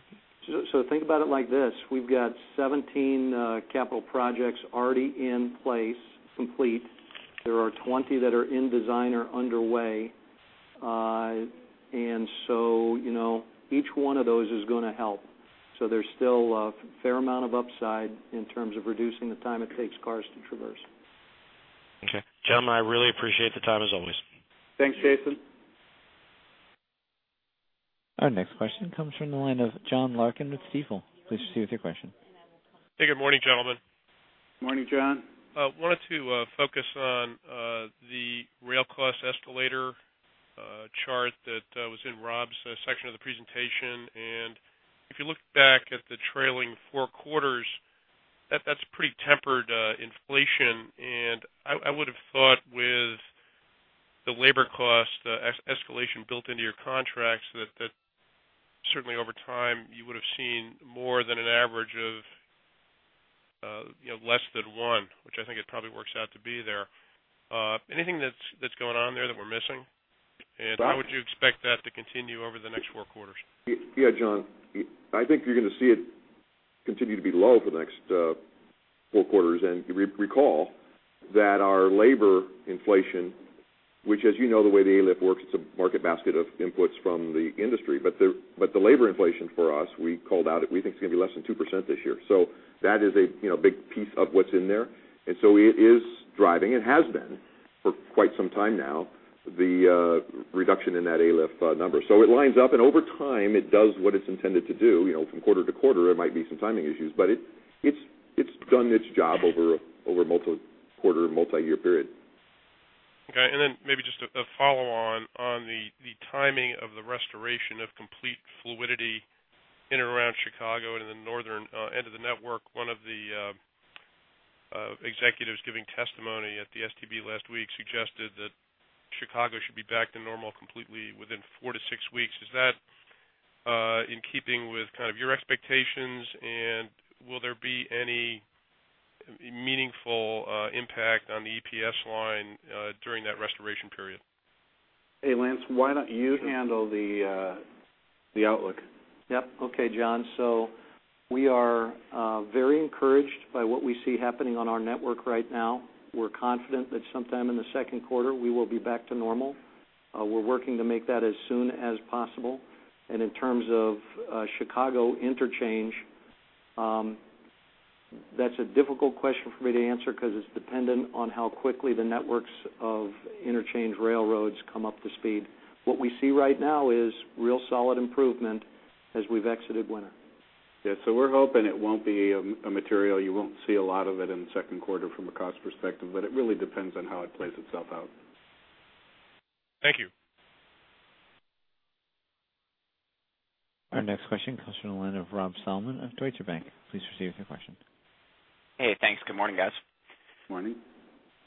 So, think about it like this. We've got 17 capital projects already in place, complete. There are 20 that are in design or underway. And so, you know, each one of those is gonna help. So there's still a fair amount of upside in terms of reducing the time it takes cars to traverse. Okay. Gentlemen, I really appreciate the time, as always. Thanks, Jason. Our next question comes from the line of John Larkin with Stifel. Please proceed with your question. Hey, good morning, gentlemen. Morning, John. Wanted to focus on the rail cost escalator chart that was in Rob's section of the presentation. And if you look back at the trailing four quarters, that's pretty tempered inflation, and I would have thought with the labor cost escalation built into your contracts, that certainly over time, you would have seen more than an average of, you know, less than one, which I think it probably works out to be there. Anything that's going on there that we're missing? And how would you expect that to continue over the next four quarters? Yeah, John, I think you're gonna see it continue to be low for the next four quarters. And you recall that our labor inflation, which, as you know, the way the ALIF works, it's a market basket of inputs from the industry. But the labor inflation for us, we called out that we think it's gonna be less than 2% this year. So that is a, you know, big piece of what's in there. And so it is driving and has been for quite some time now the reduction in that ALIF number. So it lines up, and over time, it does what it's intended to do. You know, from quarter to quarter, there might be some timing issues, but it's done its job over a multiple quarter, multiyear period. Okay, and then maybe just a follow-on on the timing of the restoration of complete fluidity in and around Chicago and in the northern end of the network. One of the executives giving testimony at the STB last week suggested that Chicago should be back to normal completely within four to six weeks. Is that in keeping with kind of your expectations, and will there be any meaningful impact on the EPS line during that restoration period? Hey, Lance, why don't you handle the, the outlook? Yep. Okay, John. So we are, very encouraged by what we see happening on our network right now. We're confident that sometime in the second quarter, we will be back to normal. We're working to make that as soon as possible. And in terms of, Chicago interchange, that's a difficult question for me to answer 'cause it's dependent on how quickly the networks of interchange railroads come up to speed. What we see right now is real solid improvement as we've exited winter. Yeah, so we're hoping it won't be a material. You won't see a lot of it in the second quarter from a cost perspective, but it really depends on how it plays itself out. Thank you. Our next question comes from the line of Rob Salmon of Deutsche Bank. Please proceed with your question. Hey, thanks. Good morning, guys. Morning.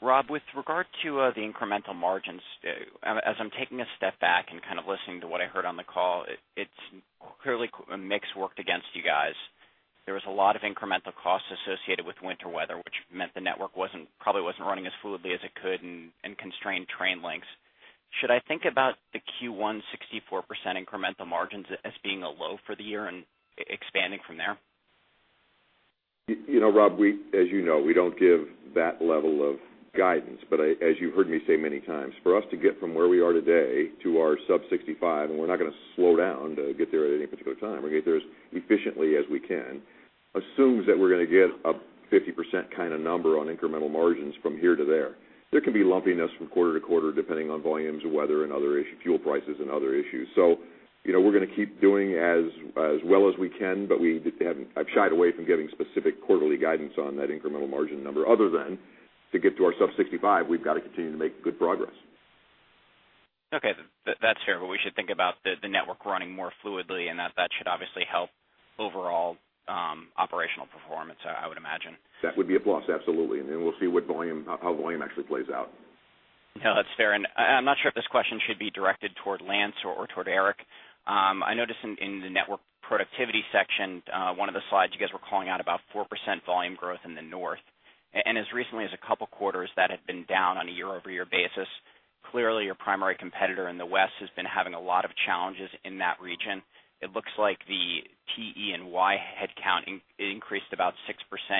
Rob, with regard to the incremental margins, as I'm taking a step back and kind of listening to what I heard on the call, it's clearly mix worked against you guys. There was a lot of incremental costs associated with winter weather, which meant the network wasn't probably wasn't running as fluidly as it could and constrained train lengths. Should I think about the Q1 64% incremental margins as being a low for the year and expanding from there? You know, Rob, we, as you know, we don't give that level of guidance, but I, as you heard me say many times, for us to get from where we are today to our sub-65, and we're not gonna slow down to get there at any particular time, we're gonna get there as efficiently as we can, assumes that we're gonna get a 50% kind of number on incremental margins from here to there. There can be lumpiness from quarter to quarter, depending on volumes, weather and other issues, fuel prices and other issues. So, you know, we're gonna keep doing as, as well as we can, but we have—I've shied away from giving specific quarterly guidance on that incremental margin number, other than to get to our sub-65, we've got to continue to make good progress. Okay, that's fair, but we should think about the network running more fluidly, and that should obviously help overall operational performance, I would imagine. That would be a plus, absolutely. And then we'll see what volume, how volume actually plays out. No, that's fair. I’m not sure if this question should be directed toward Lance or toward Eric. I noticed in the network productivity section, one of the slides you guys were calling out about 4% volume growth in the north. And as recently as a couple of quarters, that had been down on a year-over-year basis. Clearly, your primary competitor in the west has been having a lot of challenges in that region. It looks like the TE&Y headcount increased about 6%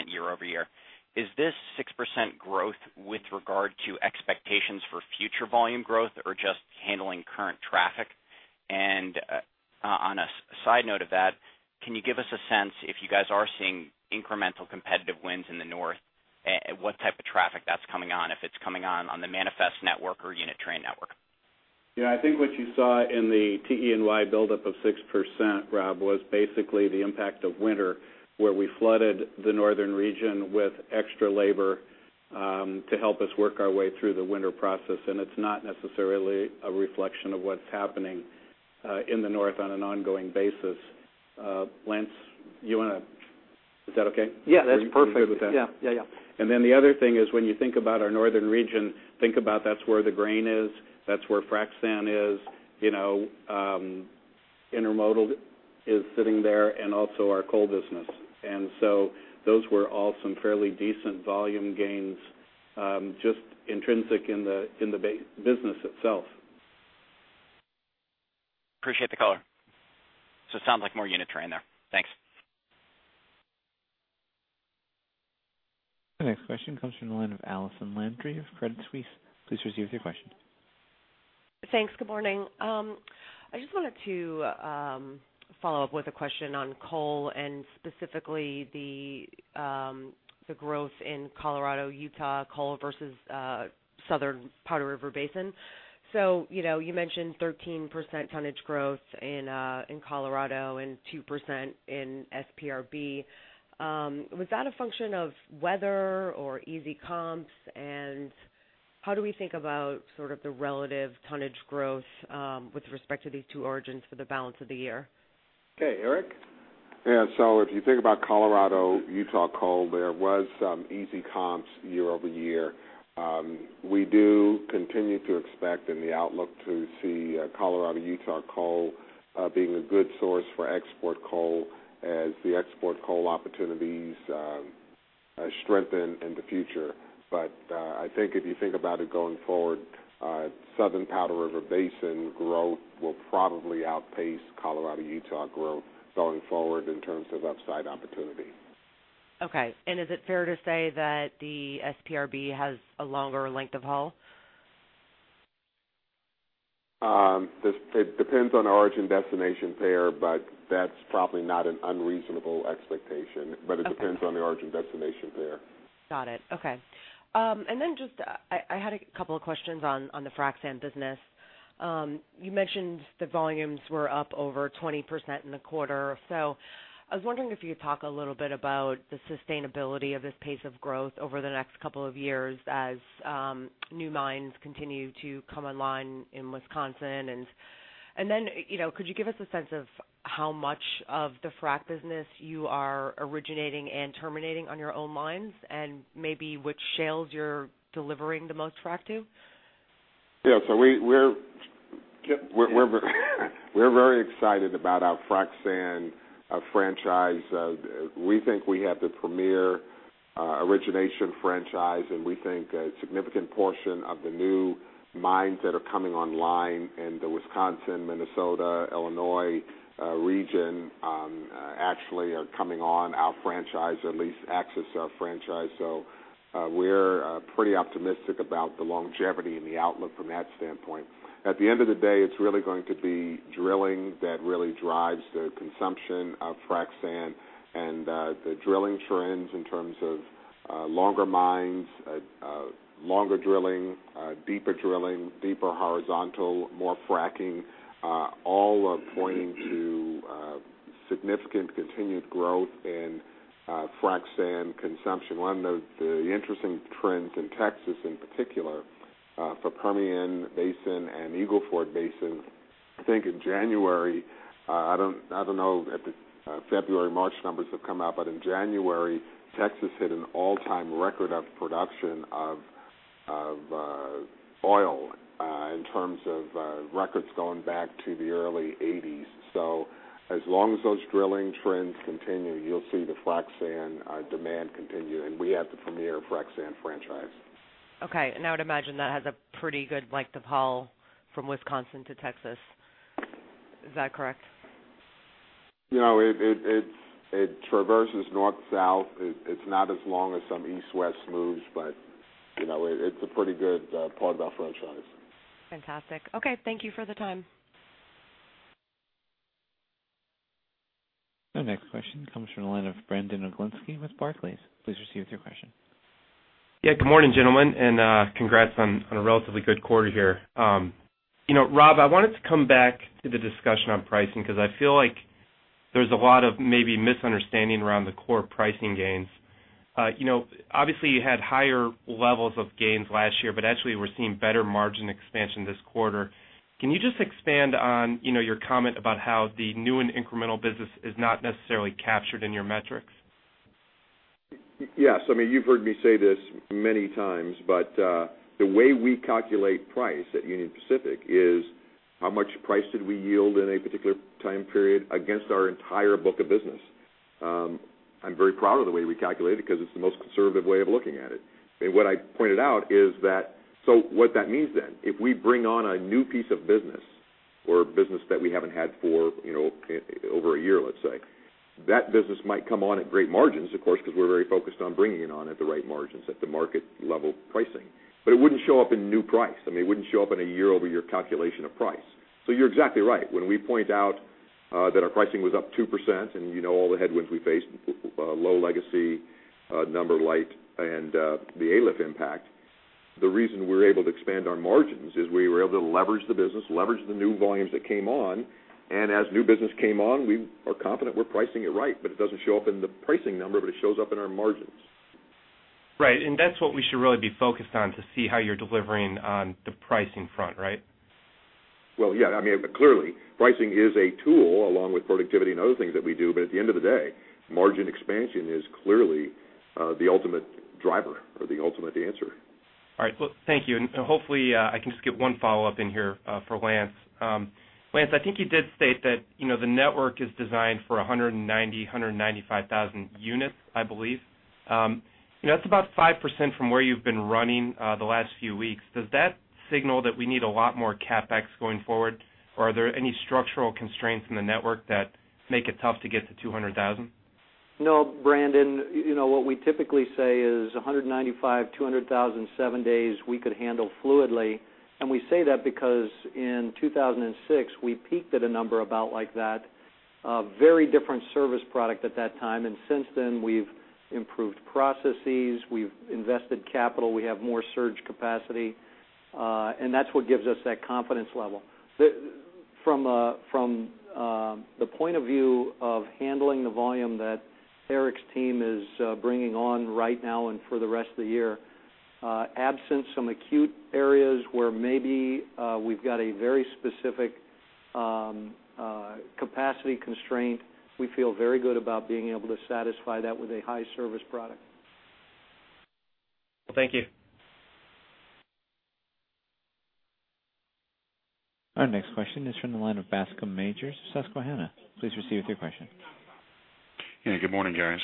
year-over-year. Is this 6% growth with regard to expectations for future volume growth, or just handling current traffic? On a side note of that, can you give us a sense if you guys are seeing incremental competitive wins in the north, what type of traffic that's coming on, if it's coming on, on the manifest network or unit train network? Yeah, I think what you saw in the TE&Y buildup of 6%, Rob, was basically the impact of winter, where we flooded the northern region with extra labor, to help us work our way through the winter process, and it's not necessarily a reflection of what's happening, in the north on an ongoing basis. Lance, you wanna?... Is that okay? Yeah, that's perfect. Are you good with that? Yeah. Yeah, yeah. And then the other thing is, when you think about our northern region, think about that's where the grain is, that's where frac sand is, you know, intermodal is sitting there, and also our coal business. And so those were all some fairly decent volume gains, just intrinsic in the business itself. Appreciate the color. So it sounds like more units are in there. Thanks. The next question comes from the line of Allison Landry of Credit Suisse. Please proceed with your question. Thanks. Good morning. I just wanted to follow up with a question on coal, and specifically the growth in Colorado, Utah coal versus Southern Powder River Basin. So, you know, you mentioned 13% tonnage growth in Colorado and 2% in SPRB. Was that a function of weather or easy comps? And how do we think about sort of the relative tonnage growth with respect to these two origins for the balance of the year? Okay, Eric? Yeah, so if you think about Colorado, Utah coal, there was some easy comps year-over-year. We do continue to expect in the outlook to see Colorado, Utah coal being a good source for export coal as the export coal opportunities strengthen in the future. But I think if you think about it going forward, Southern Powder River Basin growth will probably outpace Colorado, Utah growth going forward in terms of upside opportunity. Okay. And is it fair to say that the SPRB has a longer length of haul? It depends on the origin destination pair, but that's probably not an unreasonable expectation. Okay. But it depends on the origin destination pair. Got it. Okay. And then just I had a couple of questions on the frac sand business. You mentioned the volumes were up over 20% in the quarter. So I was wondering if you could talk a little bit about the sustainability of this pace of growth over the next couple of years as new mines continue to come online in Wisconsin. And then, you know, could you give us a sense of how much of the frac business you are originating and terminating on your own mines, and maybe which shales you're delivering the most frac to? Yeah. So we're very excited about our frac sand franchise. We think we have the premier origination franchise, and we think a significant portion of the new mines that are coming online in the Wisconsin, Minnesota, Illinois region actually are coming on our franchise, or at least access our franchise. So, we're pretty optimistic about the longevity and the outlook from that standpoint. At the end of the day, it's really going to be drilling that really drives the consumption of frac sand and the drilling trends in terms of longer mines, longer drilling, deeper drilling, deeper horizontal, more fracking, all are pointing to significant continued growth in frac sand consumption. One of the interesting trends in Texas, in particular, for Permian Basin and Eagle Ford Basin, I think in January, I don't know if the February, March numbers have come out, but in January, Texas hit an all-time record of production of oil, in terms of records going back to the early 1980s. So as long as those drilling trends continue, you'll see the frac sand demand continue, and we have the premier frac sand franchise. Okay. And I would imagine that has a pretty good length of haul from Wisconsin to Texas. Is that correct? You know, it traverses north-south. It's not as long as some east-west moves, but, you know, it's a pretty good part of our franchise. Fantastic. Okay, thank you for the time. The next question comes from the line of Brandon Oglenski with Barclays. Please proceed with your question. Yeah, good morning, gentlemen, and congrats on a relatively good quarter here. You know, Rob, I wanted to come back to the discussion on pricing, because I feel like there's a lot of maybe misunderstanding around the core pricing gains. You know, obviously you had higher levels of gains last year, but actually we're seeing better margin expansion this quarter. Can you just expand on your comment about how the new and incremental business is not necessarily captured in your metrics? Yes. I mean, you've heard me say this many times, but, the way we calculate price at Union Pacific is how much price did we yield in a particular time period against our entire book of business. I'm very proud of the way we calculate it, because it's the most conservative way of looking at it. What I pointed out is that... So what that means then, if we bring on a new piece of business or business that we haven't had for, you know, over a year let's say, that business might come on at great margins, of course, because we're very focused on bringing it on at the right margins, at the market level pricing. But it wouldn't show up in new price. I mean, it wouldn't show up in a year-over-year calculation of price. You're exactly right. When we point out that our pricing was up 2%, and you know all the headwinds we faced, low legacy, number light, and the ALIF impact, the reason we were able to expand our margins is we were able to leverage the business, leverage the new volumes that came on, and as new business came on, we are confident we're pricing it right, but it doesn't show up in the pricing number, but it shows up in our margins.... Right, and that's what we should really be focused on to see how you're delivering on the pricing front, right? Well, yeah, I mean, clearly, pricing is a tool along with productivity and other things that we do. But at the end of the day, margin expansion is clearly the ultimate driver or the ultimate answer. All right, well, thank you. And hopefully, I can just get one follow-up in here, for Lance. Lance, I think you did state that, you know, the network is designed for 190-195 thousand units, I believe. You know, that's about 5% from where you've been running, the last few weeks. Does that signal that we need a lot more CapEx going forward, or are there any structural constraints in the network that make it tough to get to 200,000? No, Brandon, you know, what we typically say is 195-200,000 7 days we could handle fluidly. We say that because in 2006, we peaked at a number about like that, a very different service product at that time, and since then, we've improved processes, we've invested capital, we have more surge capacity, and that's what gives us that confidence level. From the point of view of handling the volume that Eric's team is bringing on right now and for the rest of the year, absent some acute areas where maybe we've got a very specific capacity constraint, we feel very good about being able to satisfy that with a high service product. Well, thank you. Our next question is from the line of Bascom Majors, Susquehanna. Please proceed with your question. Yeah, good morning, guys.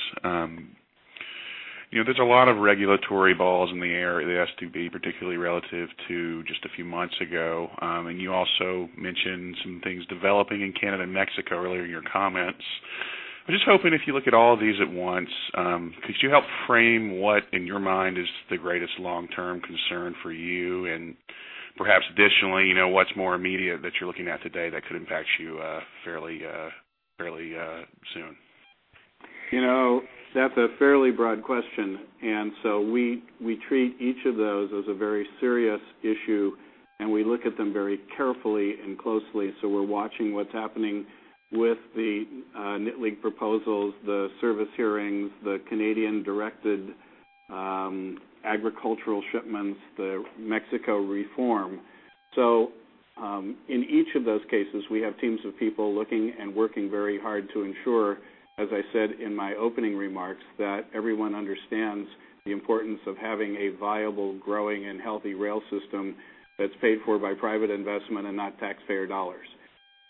You know, there's a lot of regulatory balls in the air, the STB, particularly relative to just a few months ago. And you also mentioned some things developing in Canada and Mexico earlier in your comments. I was just hoping if you look at all of these at once, could you help frame what, in your mind, is the greatest long-term concern for you? And perhaps additionally, you know, what's more immediate that you're looking at today that could impact you, fairly soon? You know, that's a fairly broad question, and so we, we treat each of those as a very serious issue, and we look at them very carefully and closely. So we're watching what's happening with the Neague proposals, the service hearings, the Canadian-directed agricultural shipments, the Mexico reform. So, in each of those cases, we have teams of people looking and working very hard to ensure, as I said in my opening remarks, that everyone understands the importance of having a viable, growing and healthy rail system that's paid for by private investment and not taxpayer dollars.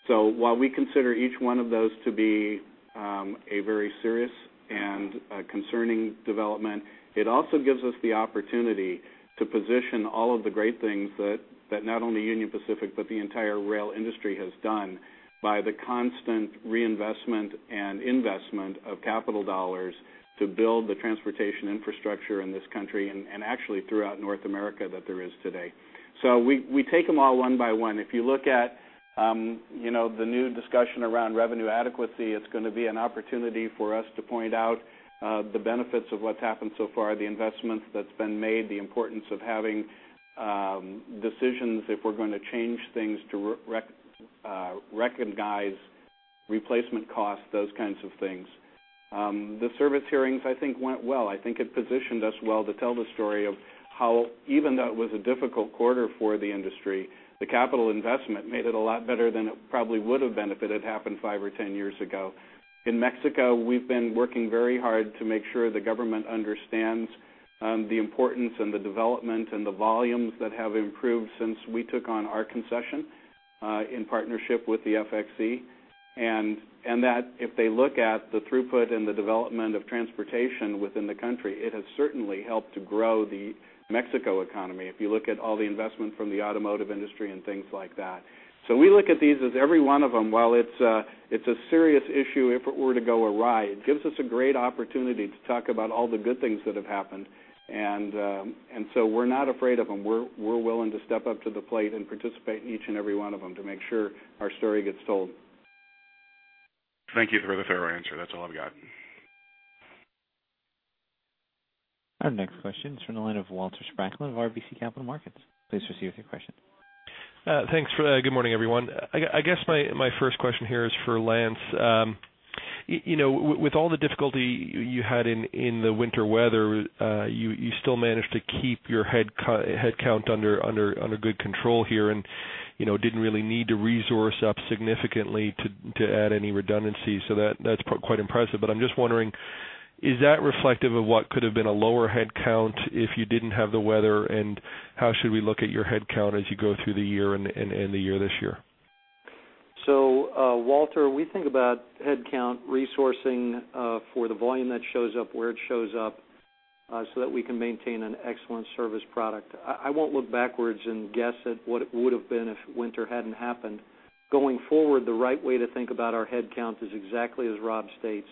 So while we consider each one of those to be a very serious and a concerning development, it also gives us the opportunity to position all of the great things that, that not only Union Pacific, but the entire rail industry has done by the constant reinvestment and investment of capital dollars to build the transportation infrastructure in this country and, and actually throughout North America, that there is today. So we, we take them all one by one. If you look at, you know, the new discussion around revenue adequacy, it's gonna be an opportunity for us to point out the benefits of what's happened so far, the investment that's been made, the importance of having decisions, if we're gonna change things to recognize replacement costs, those kinds of things. The service hearings, I think, went well. I think it positioned us well to tell the story of how, even though it was a difficult quarter for the industry, the capital investment made it a lot better than it probably would have been if it had happened 5 or 10 years ago. In Mexico, we've been working very hard to make sure the government understands the importance and the development and the volumes that have improved since we took on our concession in partnership with the FXE. And that if they look at the throughput and the development of transportation within the country, it has certainly helped to grow the Mexico economy, if you look at all the investment from the automotive industry and things like that. So we look at these as every one of them, while it's a serious issue, if it were to go awry, it gives us a great opportunity to talk about all the good things that have happened. And so we're not afraid of them. We're willing to step up to the plate and participate in each and every one of them to make sure our story gets told. Thank you for the thorough answer. That's all I've got. Our next question is from the line of Walter Spracklin of RBC Capital Markets. Please receive your question. Thanks for that. Good morning, everyone. I guess my first question here is for Lance. You know, with all the difficulty you had in the winter weather, you still managed to keep your headcount under good control here and, you know, didn't really need to resource up significantly to add any redundancy. So that's quite impressive. But I'm just wondering, is that reflective of what could have been a lower headcount if you didn't have the weather? And how should we look at your headcount as you go through the year and the year this year? So, Walter, we think about headcount resourcing for the volume that shows up, where it shows up, so that we can maintain an excellent service product. I, I won't look backwards and guess at what it would have been if winter hadn't happened. Going forward, the right way to think about our headcount is exactly as Rob states.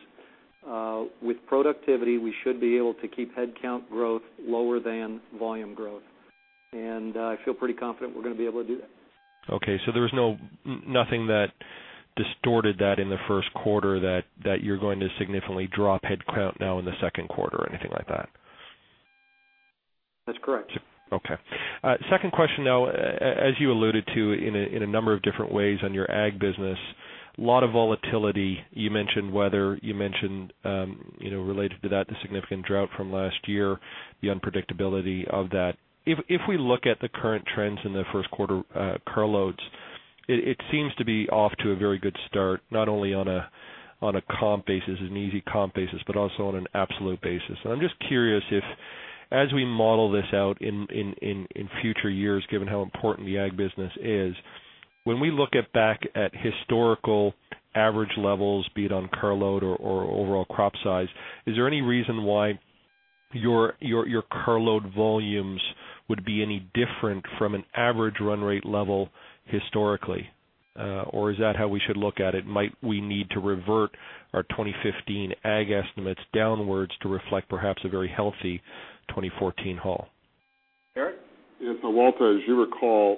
With productivity, we should be able to keep headcount growth lower than volume growth, and I feel pretty confident we're gonna be able to do that. Okay, so there's no nothing that distorted that in the first quarter, that you're going to significantly drop headcount now in the second quarter or anything like that?... That's correct. Okay. Second question now. As you alluded to in a, in a number of different ways on your ag business, a lot of volatility. You mentioned weather, you mentioned, you know, related to that, the significant drought from last year, the unpredictability of that. If we look at the current trends in the first quarter, carloads, it seems to be off to a very good start, not only on a, on a comp basis, an easy comp basis, but also on an absolute basis. I'm just curious if, as we model this out in future years, given how important the ag business is, when we look back at historical average levels, be it on carload or overall crop size, is there any reason why your carload volumes would be any different from an average run rate level historically? Or is that how we should look at it? Might we need to revert our 2015 ag estimates downwards to reflect perhaps a very healthy 2014 haul? Eric? Yes, so Walter, as you recall,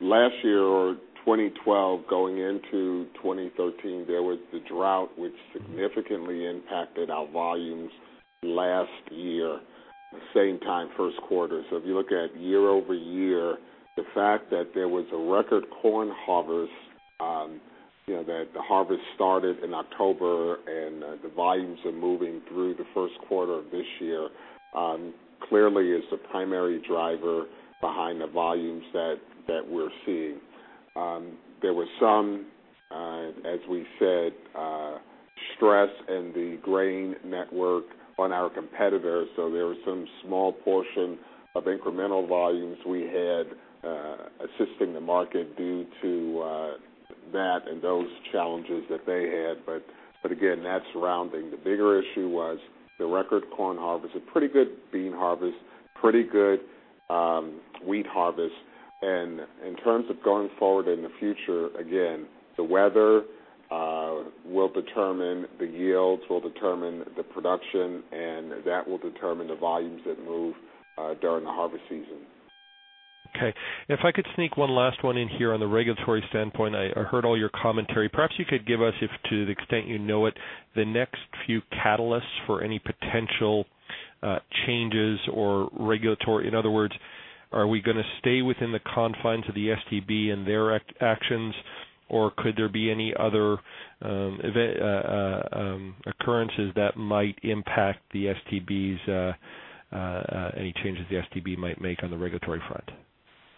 last year or 2012 going into 2013, there was the drought, which significantly impacted our volumes last year, same time, first quarter. So if you look at year-over-year, the fact that there was a record corn harvest, you know, that the harvest started in October, and the volumes are moving through the first quarter of this year, clearly is the primary driver behind the volumes that we're seeing. There was some, as we said, stress in the grain network on our competitors, so there was some small portion of incremental volumes we had, assisting the market due to that and those challenges that they had. But again, that's rounding. The bigger issue was the record corn harvest, a pretty good bean harvest, pretty good, wheat harvest. In terms of going forward in the future, again, the weather will determine the yields, will determine the production, and that will determine the volumes that move during the harvest season. Okay. If I could sneak one last one in here on the regulatory standpoint, I heard all your commentary. Perhaps you could give us, if to the extent you know it, the next few catalysts for any potential changes or regulatory... In other words, are we gonna stay within the confines of the STB and their actions, or could there be any other occurrences that might impact the STB's any changes the STB might make on the regulatory front?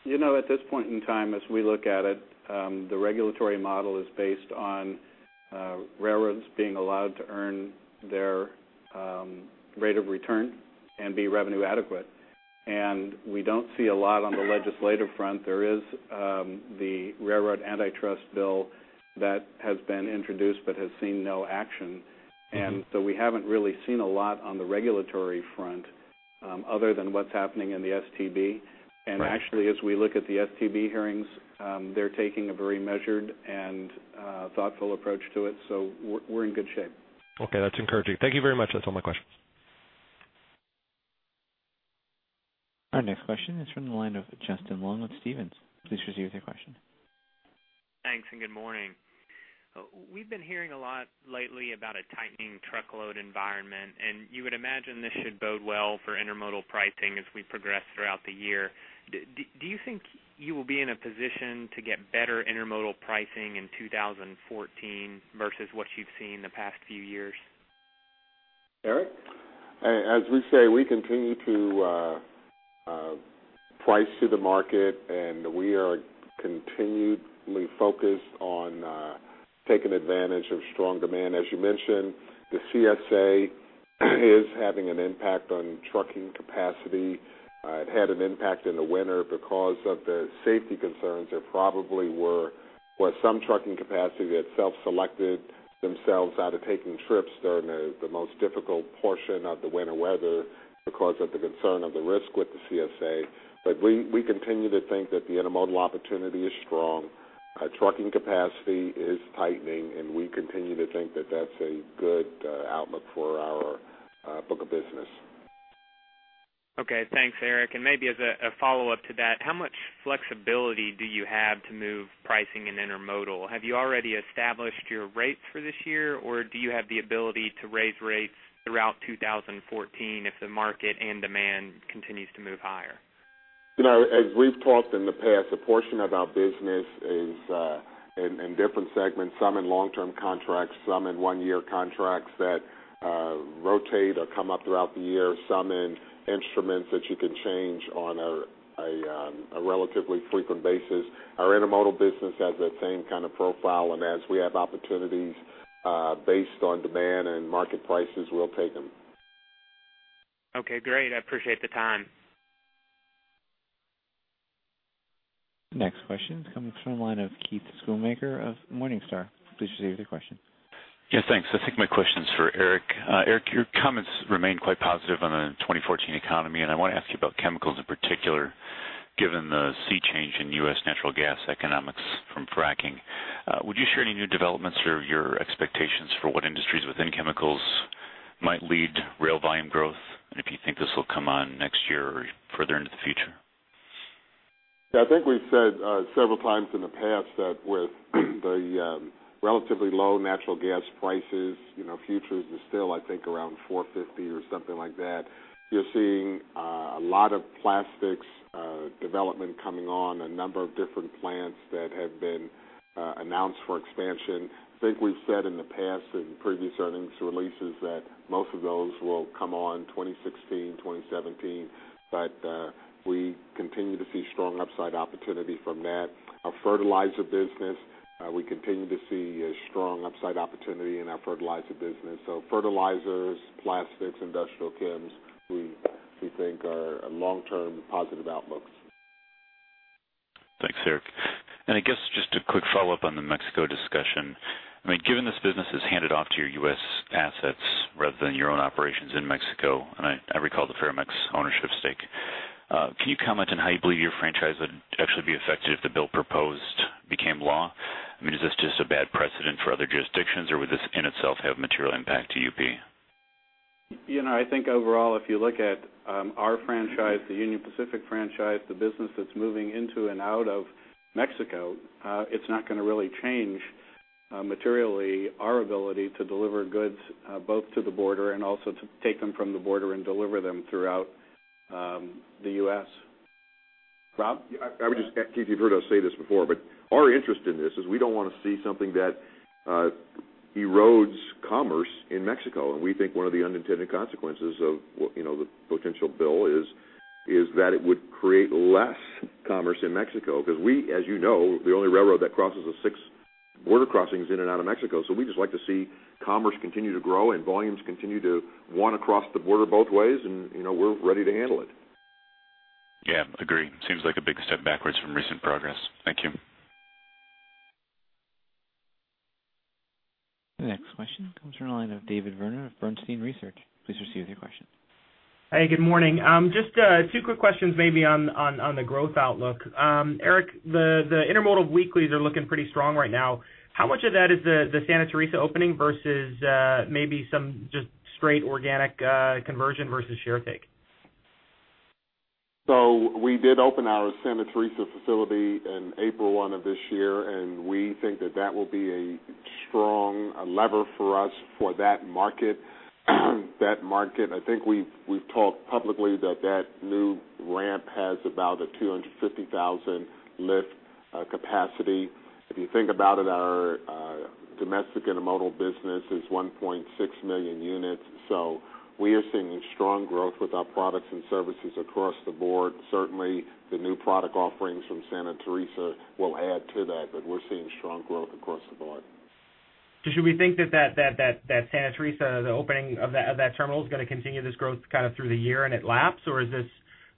You know, at this point in time, as we look at it, the regulatory model is based on railroads being allowed to earn their rate of return and be revenue adequate. We don't see a lot on the legislative front. There is the railroad antitrust bill that has been introduced but has seen no action. So we haven't really seen a lot on the regulatory front, other than what's happening in the STB. Right. Actually, as we look at the STB hearings, they're taking a very measured and thoughtful approach to it, so we're in good shape. Okay, that's encouraging. Thank you very much. That's all my questions. Our next question is from the line of Justin Long with Stephens. Please proceed with your question. Thanks, and good morning. We've been hearing a lot lately about a tightening truckload environment, and you would imagine this should bode well for intermodal pricing as we progress throughout the year. Do you think you will be in a position to get better intermodal pricing in 2014 versus what you've seen in the past few years? Eric? As we say, we continue to price to the market, and we are continually focused on taking advantage of strong demand. As you mentioned, the CSA is having an impact on trucking capacity. It had an impact in the winter because of the safety concerns. There probably were some trucking capacity that self-selected themselves out of taking trips during the most difficult portion of the winter weather because of the concern of the risk with the CSA. But we continue to think that the intermodal opportunity is strong, trucking capacity is tightening, and we continue to think that that's a good outlook for our book of business. Okay. Thanks, Eric. And maybe as a follow-up to that, how much flexibility do you have to move pricing in intermodal? Have you already established your rates for this year, or do you have the ability to raise rates throughout 2014 if the market and demand continues to move higher? You know, as we've talked in the past, a portion of our business is in different segments, some in long-term contracts, some in one-year contracts that rotate or come up throughout the year, some in instruments that you can change on a relatively frequent basis. Our intermodal business has that same kind of profile, and as we have opportunities based on demand and market prices, we'll take them. Okay, great. I appreciate the time. Next question comes from the line of Keith Schoonmaker of Morningstar. Please proceed with your question. Yes, thanks. I think my question is for Eric. Eric, your comments remain quite positive on the 2014 economy, and I want to ask you about chemicals in particular, given the sea change in U.S. natural gas economics from fracking. Would you share any new developments or your expectations for what industries within chemicals might lead rail volume growth, and if you think this will come on next year or further into the future?... Yeah, I think we've said several times in the past that with the relatively low natural gas prices, you know, futures are still, I think, around $4.50 or something like that. You're seeing a lot of plastics development coming on, a number of different plants that have been announced for expansion. I think we've said in the past, in previous earnings releases, that most of those will come on 2016, 2017, but we continue to see strong upside opportunity from that. Our fertilizer business we continue to see a strong upside opportunity in our fertilizer business. So fertilizers, plastics, industrial chems, we think are a long-term positive outlooks. Thanks, Eric. I guess just a quick follow-up on the Mexico discussion. I mean, given this business is handed off to your U.S. assets rather than your own operations in Mexico, and I recall the Ferromex ownership stake, can you comment on how you believe your franchise would actually be affected if the bill proposed became law? I mean, is this just a bad precedent for other jurisdictions, or would this, in itself, have material impact to UP? You know, I think overall, if you look at our franchise, the Union Pacific franchise, the business that's moving into and out of Mexico, it's not gonna really change materially, our ability to deliver goods both to the border and also to take them from the border and deliver them throughout the U.S. Rob? I think you've heard us say this before, but our interest in this is we don't wanna see something that erodes commerce in Mexico. And we think one of the unintended consequences of what, you know, the potential bill is, is that it would create less commerce in Mexico, because we, as you know, the only railroad that crosses the six border crossings in and out of Mexico. So we just like to see commerce continue to grow and volumes continue to want to cross the border both ways, and, you know, we're ready to handle it. Yeah, agree. Seems like a big step backwards from recent progress. Thank you. The next question comes from the line of David Vernon of Bernstein Research. Please proceed with your question. Hey, good morning. Just two quick questions maybe on the growth outlook. Eric, the intermodal weeklies are looking pretty strong right now. How much of that is the Santa Teresa opening versus maybe some just straight organic conversion versus share take? So we did open our Santa Teresa facility in April 1 of this year, and we think that that will be a strong lever for us for that market. That market, I think we've, we've talked publicly that that new ramp has about a 250,000 lift capacity. If you think about it, our domestic intermodal business is 1.6 million units. So we are seeing strong growth with our products and services across the board. Certainly, the new product offerings from Santa Teresa will add to that, but we're seeing strong growth across the board. So should we think that Santa Teresa, the opening of that terminal, is gonna continue this growth kind of through the year and it laps? Or is this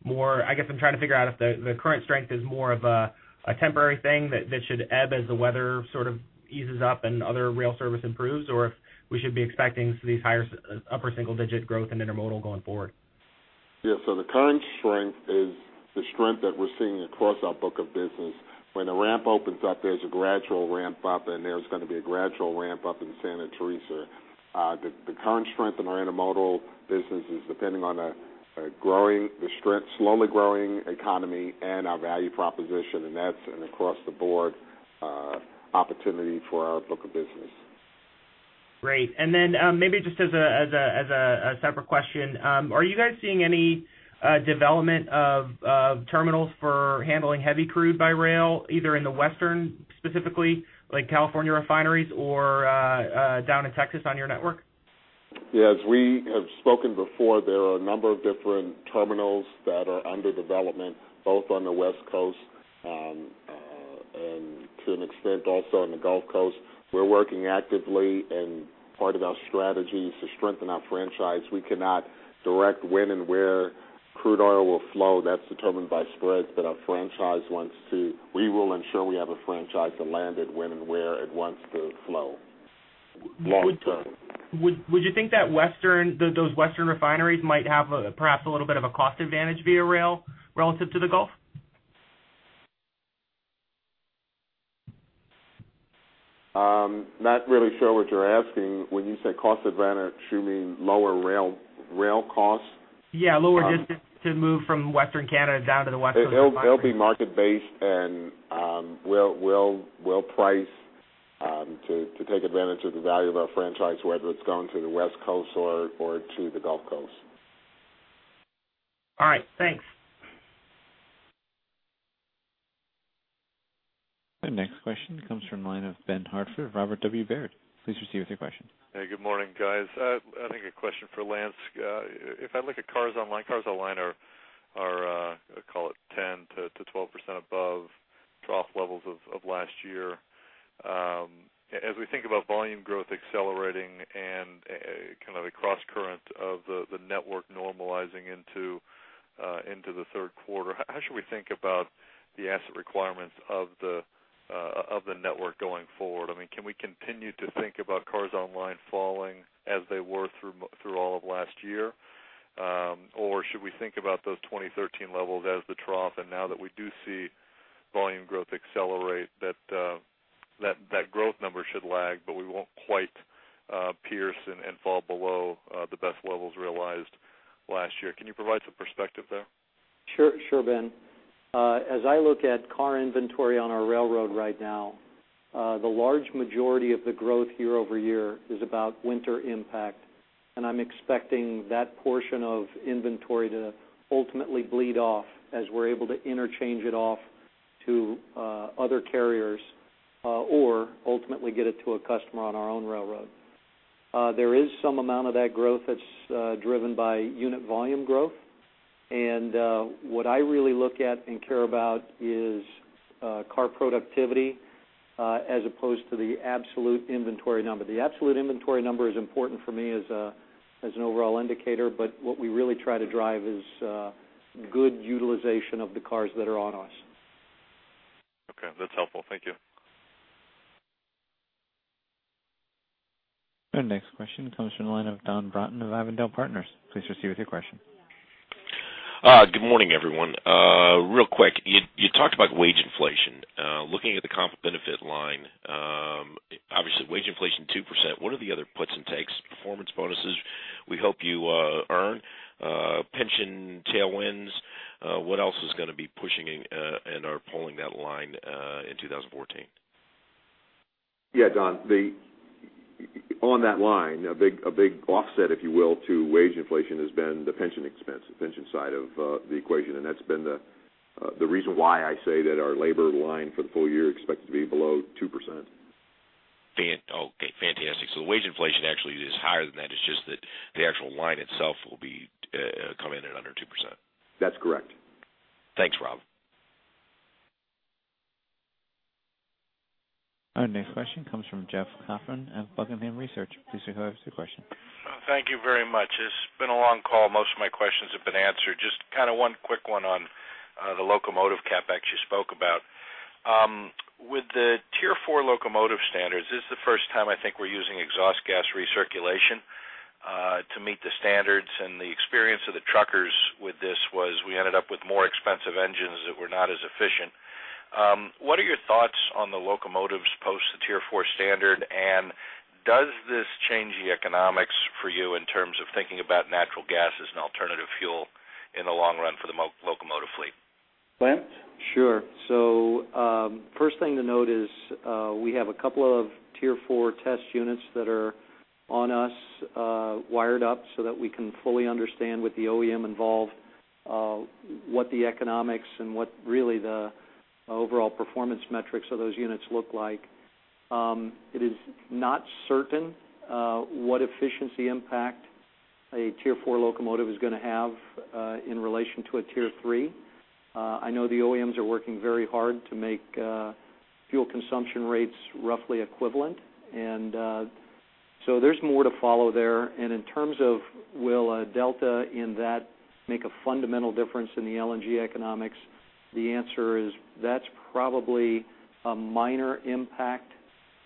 more, I guess I'm trying to figure out if the current strength is more of a temporary thing that should ebb as the weather sort of eases up and other rail service improves, or if we should be expecting these higher upper single digit growth in intermodal going forward? Yeah. So the current strength is the strength that we're seeing across our book of business. When a ramp opens up, there's a gradual ramp up, and there's gonna be a gradual ramp up in Santa Teresa. The current strength in our intermodal business is depending on a growing, the strength, slowly growing economy and our value proposition, and that's an across-the-board opportunity for our book of business. Great. Maybe just as a separate question, are you guys seeing any development of terminals for handling heavy crude by rail, either in the western, specifically, like California refineries or down in Texas on your network? Yes, we have spoken before. There are a number of different terminals that are under development, both on the West Coast, and to an extent, also on the Gulf Coast. We're working actively, and part of our strategy is to strengthen our franchise. We cannot direct when and where crude oil will flow. That's determined by spreads, but our franchise wants to... We will ensure we have a franchise to land it when and where it wants to flow, long term. Would you think that those Western refineries might have perhaps a little bit of a cost advantage via rail relative to the Gulf? Not really sure what you're asking. When you say cost advantage, you mean lower rail, rail costs? Yeah, lower distance to move from Western Canada down to the West Coast. It'll be market-based, and we'll price to take advantage of the value of our franchise, whether it's going to the West Coast or to the Gulf Coast. All right, thanks. Our next question comes from the line of Ben Hartford, Robert W. Baird. Please proceed with your question. Hey, good morning, guys. I think a question for Lance. If I look at cars online, cars online are call it 10%-12% above trough levels of last year. As we think about volume growth accelerating and kind of a crosscurrent of the network normalizing into the third quarter, how should we think about the asset requirements of the network going forward? I mean, can we continue to think about cars online falling as they were through all of last year? Or should we think about those 2013 levels as the trough, and now that we do see volume growth accelerate,... that, that growth number should lag, but we won't quite pierce and, and fall below the best levels realized last year. Can you provide some perspective there? Sure, sure, Ben. As I look at car inventory on our railroad right now, the large majority of the growth year over year is about winter impact, and I'm expecting that portion of inventory to ultimately bleed off as we're able to interchange it off to, other carriers, or ultimately get it to a customer on our own railroad. There is some amount of that growth that's, driven by unit volume growth. And, what I really look at and care about is, car productivity, as opposed to the absolute inventory number. The absolute inventory number is important for me as a, as an overall indicator, but what we really try to drive is, good utilization of the cars that are on us. Okay, that's helpful. Thank you. Our next question comes from the line of Don Broughton of Avondale Partners. Please proceed with your question. Good morning, everyone. Real quick, you talked about wage inflation. Looking at the comp benefit line, obviously, wage inflation 2%, what are the other puts and takes? Performance bonuses we hope you earn, pension tailwinds, what else is gonna be pushing and/or pulling that line in 2014? Yeah, Don, the on that line, a big, a big offset, if you will, to wage inflation has been the pension expense, the pension side of the equation, and that's been the reason why I say that our labor line for the full year expected to be below 2%. Okay, fantastic. So the wage inflation actually is higher than that. It's just that the actual line itself will come in at under 2%. That's correct. Thanks, Rob. Our next question comes from Jeff Kauffman of Buckingham Research. Please go ahead with your question. Thank you very much. It's been a long call. Most of my questions have been answered. Just kind of one quick one on the locomotive CapEx you spoke about. With the Tier Four locomotive standards, this is the first time I think we're using exhaust gas recirculation to meet the standards, and the experience of the truckers with this was we ended up with more expensive engines that were not as efficient. What are your thoughts on the locomotives post the Tier Four standard, and does this change the economics for you in terms of thinking about natural gas as an alternative fuel in the long run for the locomotive fleet? Lance? Sure. So, first thing to note is, we have a couple of Tier 4 test units that are on us, wired up, so that we can fully understand what the OEM involved, what the economics and what really the overall performance metrics of those units look like. It is not certain, what efficiency impact a Tier 4 locomotive is gonna have, in relation to a Tier 3. I know the OEMs are working very hard to make, fuel consumption rates roughly equivalent, and, so there's more to follow there. And in terms of will a delta in that make a fundamental difference in the LNG economics, the answer is that's probably a minor impact.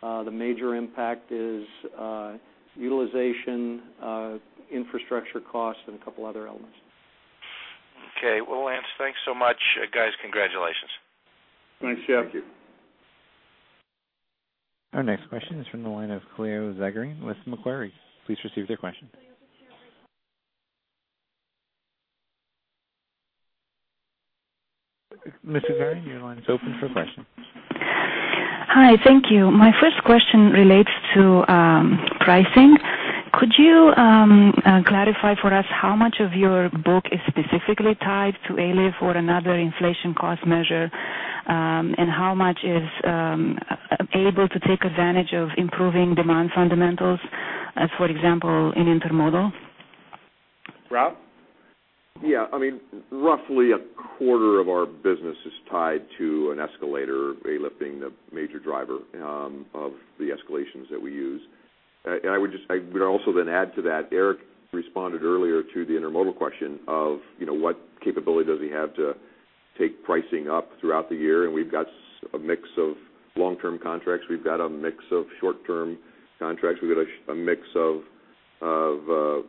The major impact is, utilization, infrastructure costs, and a couple other elements. Okay. Well, Lance, thanks so much. Guys, congratulations. Thanks, Jeff. Thank you. Our next question is from the line of Cleo Zagrean with Macquarie. Please receive your question. Ms. Zagrean, your line is open for questions. Hi, thank you. My first question relates to pricing. Could you clarify for us how much of your book is specifically tied to ALIF or another inflation cost measure, and how much is able to take advantage of improving demand fundamentals, as, for example, in intermodal? Rob? Yeah, I mean, roughly a quarter of our business is tied to an escalator, ALIF the major driver, of the escalations that we use. And I would just, I would also then add to that, Eric responded earlier to the intermodal question of, you know, what capability does he have to take pricing up throughout the year? And we've got a mix of long-term contracts, we've got a mix of short-term contracts, we've got a mix of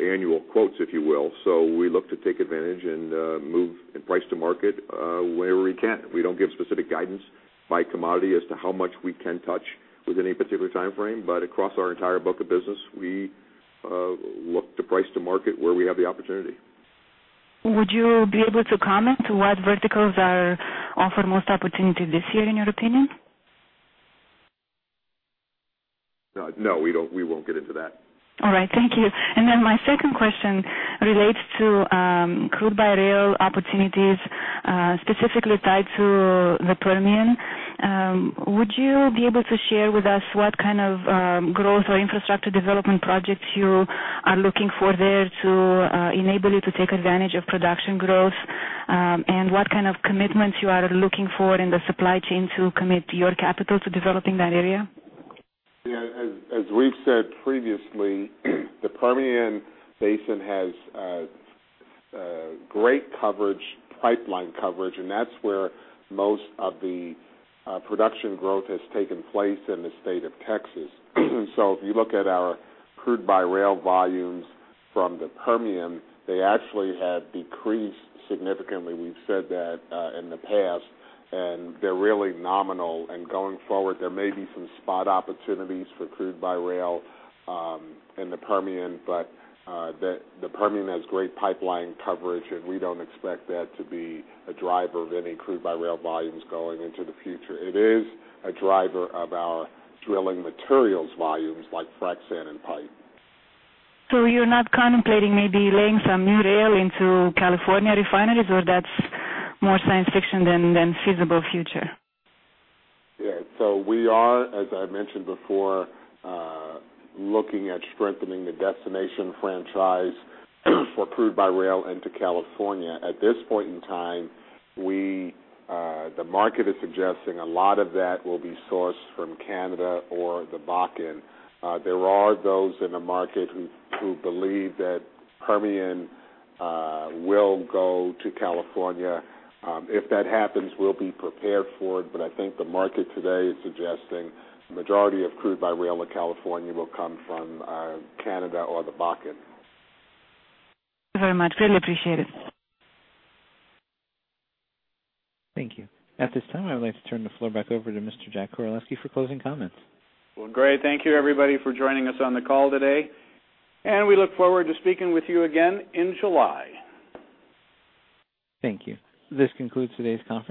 annual quotes, if you will. So we look to take advantage and, move and price to market, wherever we can. We don't give specific guidance by commodity as to how much we can touch within a particular time frame, but across our entire book of business, we look to price to market where we have the opportunity. Would you be able to comment what verticals are offer most opportunity this year, in your opinion? No, we don't - we won't get into that. All right, thank you. And then my second question relates to crude by rail opportunities, specifically tied to the Permian. Would you be able to share with us what kind of growth or infrastructure development projects you are looking for there to enable you to take advantage of production growth, and what kind of commitments you are looking for in the supply chain to commit your capital to developing that area? Yeah, as we've said previously, the Permian Basin has great pipeline coverage, and that's where most of the production growth has taken place in the state of Texas. So if you look at our crude by rail volumes from the Permian, they actually have decreased significantly. We've said that in the past, and they're really nominal. And going forward, there may be some spot opportunities for crude by rail in the Permian, but the Permian has great pipeline coverage, and we don't expect that to be a driver of any crude by rail volumes going into the future. It is a driver of our drilling materials volumes like frac sand and pipe. So you're not contemplating maybe laying some new rail into California refineries, or that's more science fiction than feasible future? Yeah, so we are, as I mentioned before, looking at strengthening the destination franchise for crude by rail into California. At this point in time, we, the market is suggesting a lot of that will be sourced from Canada or the Bakken. There are those in the market who believe that Permian will go to California. If that happens, we'll be prepared for it, but I think the market today is suggesting the majority of crude by rail in California will come from Canada or the Bakken. Thank you very much. Really appreciate it. Thank you. At this time, I would like to turn the floor back over to Mr. Jack Koraleski for closing comments. Well, great. Thank you, everybody, for joining us on the call today, and we look forward to speaking with you again in July. Thank you. This concludes today's conference.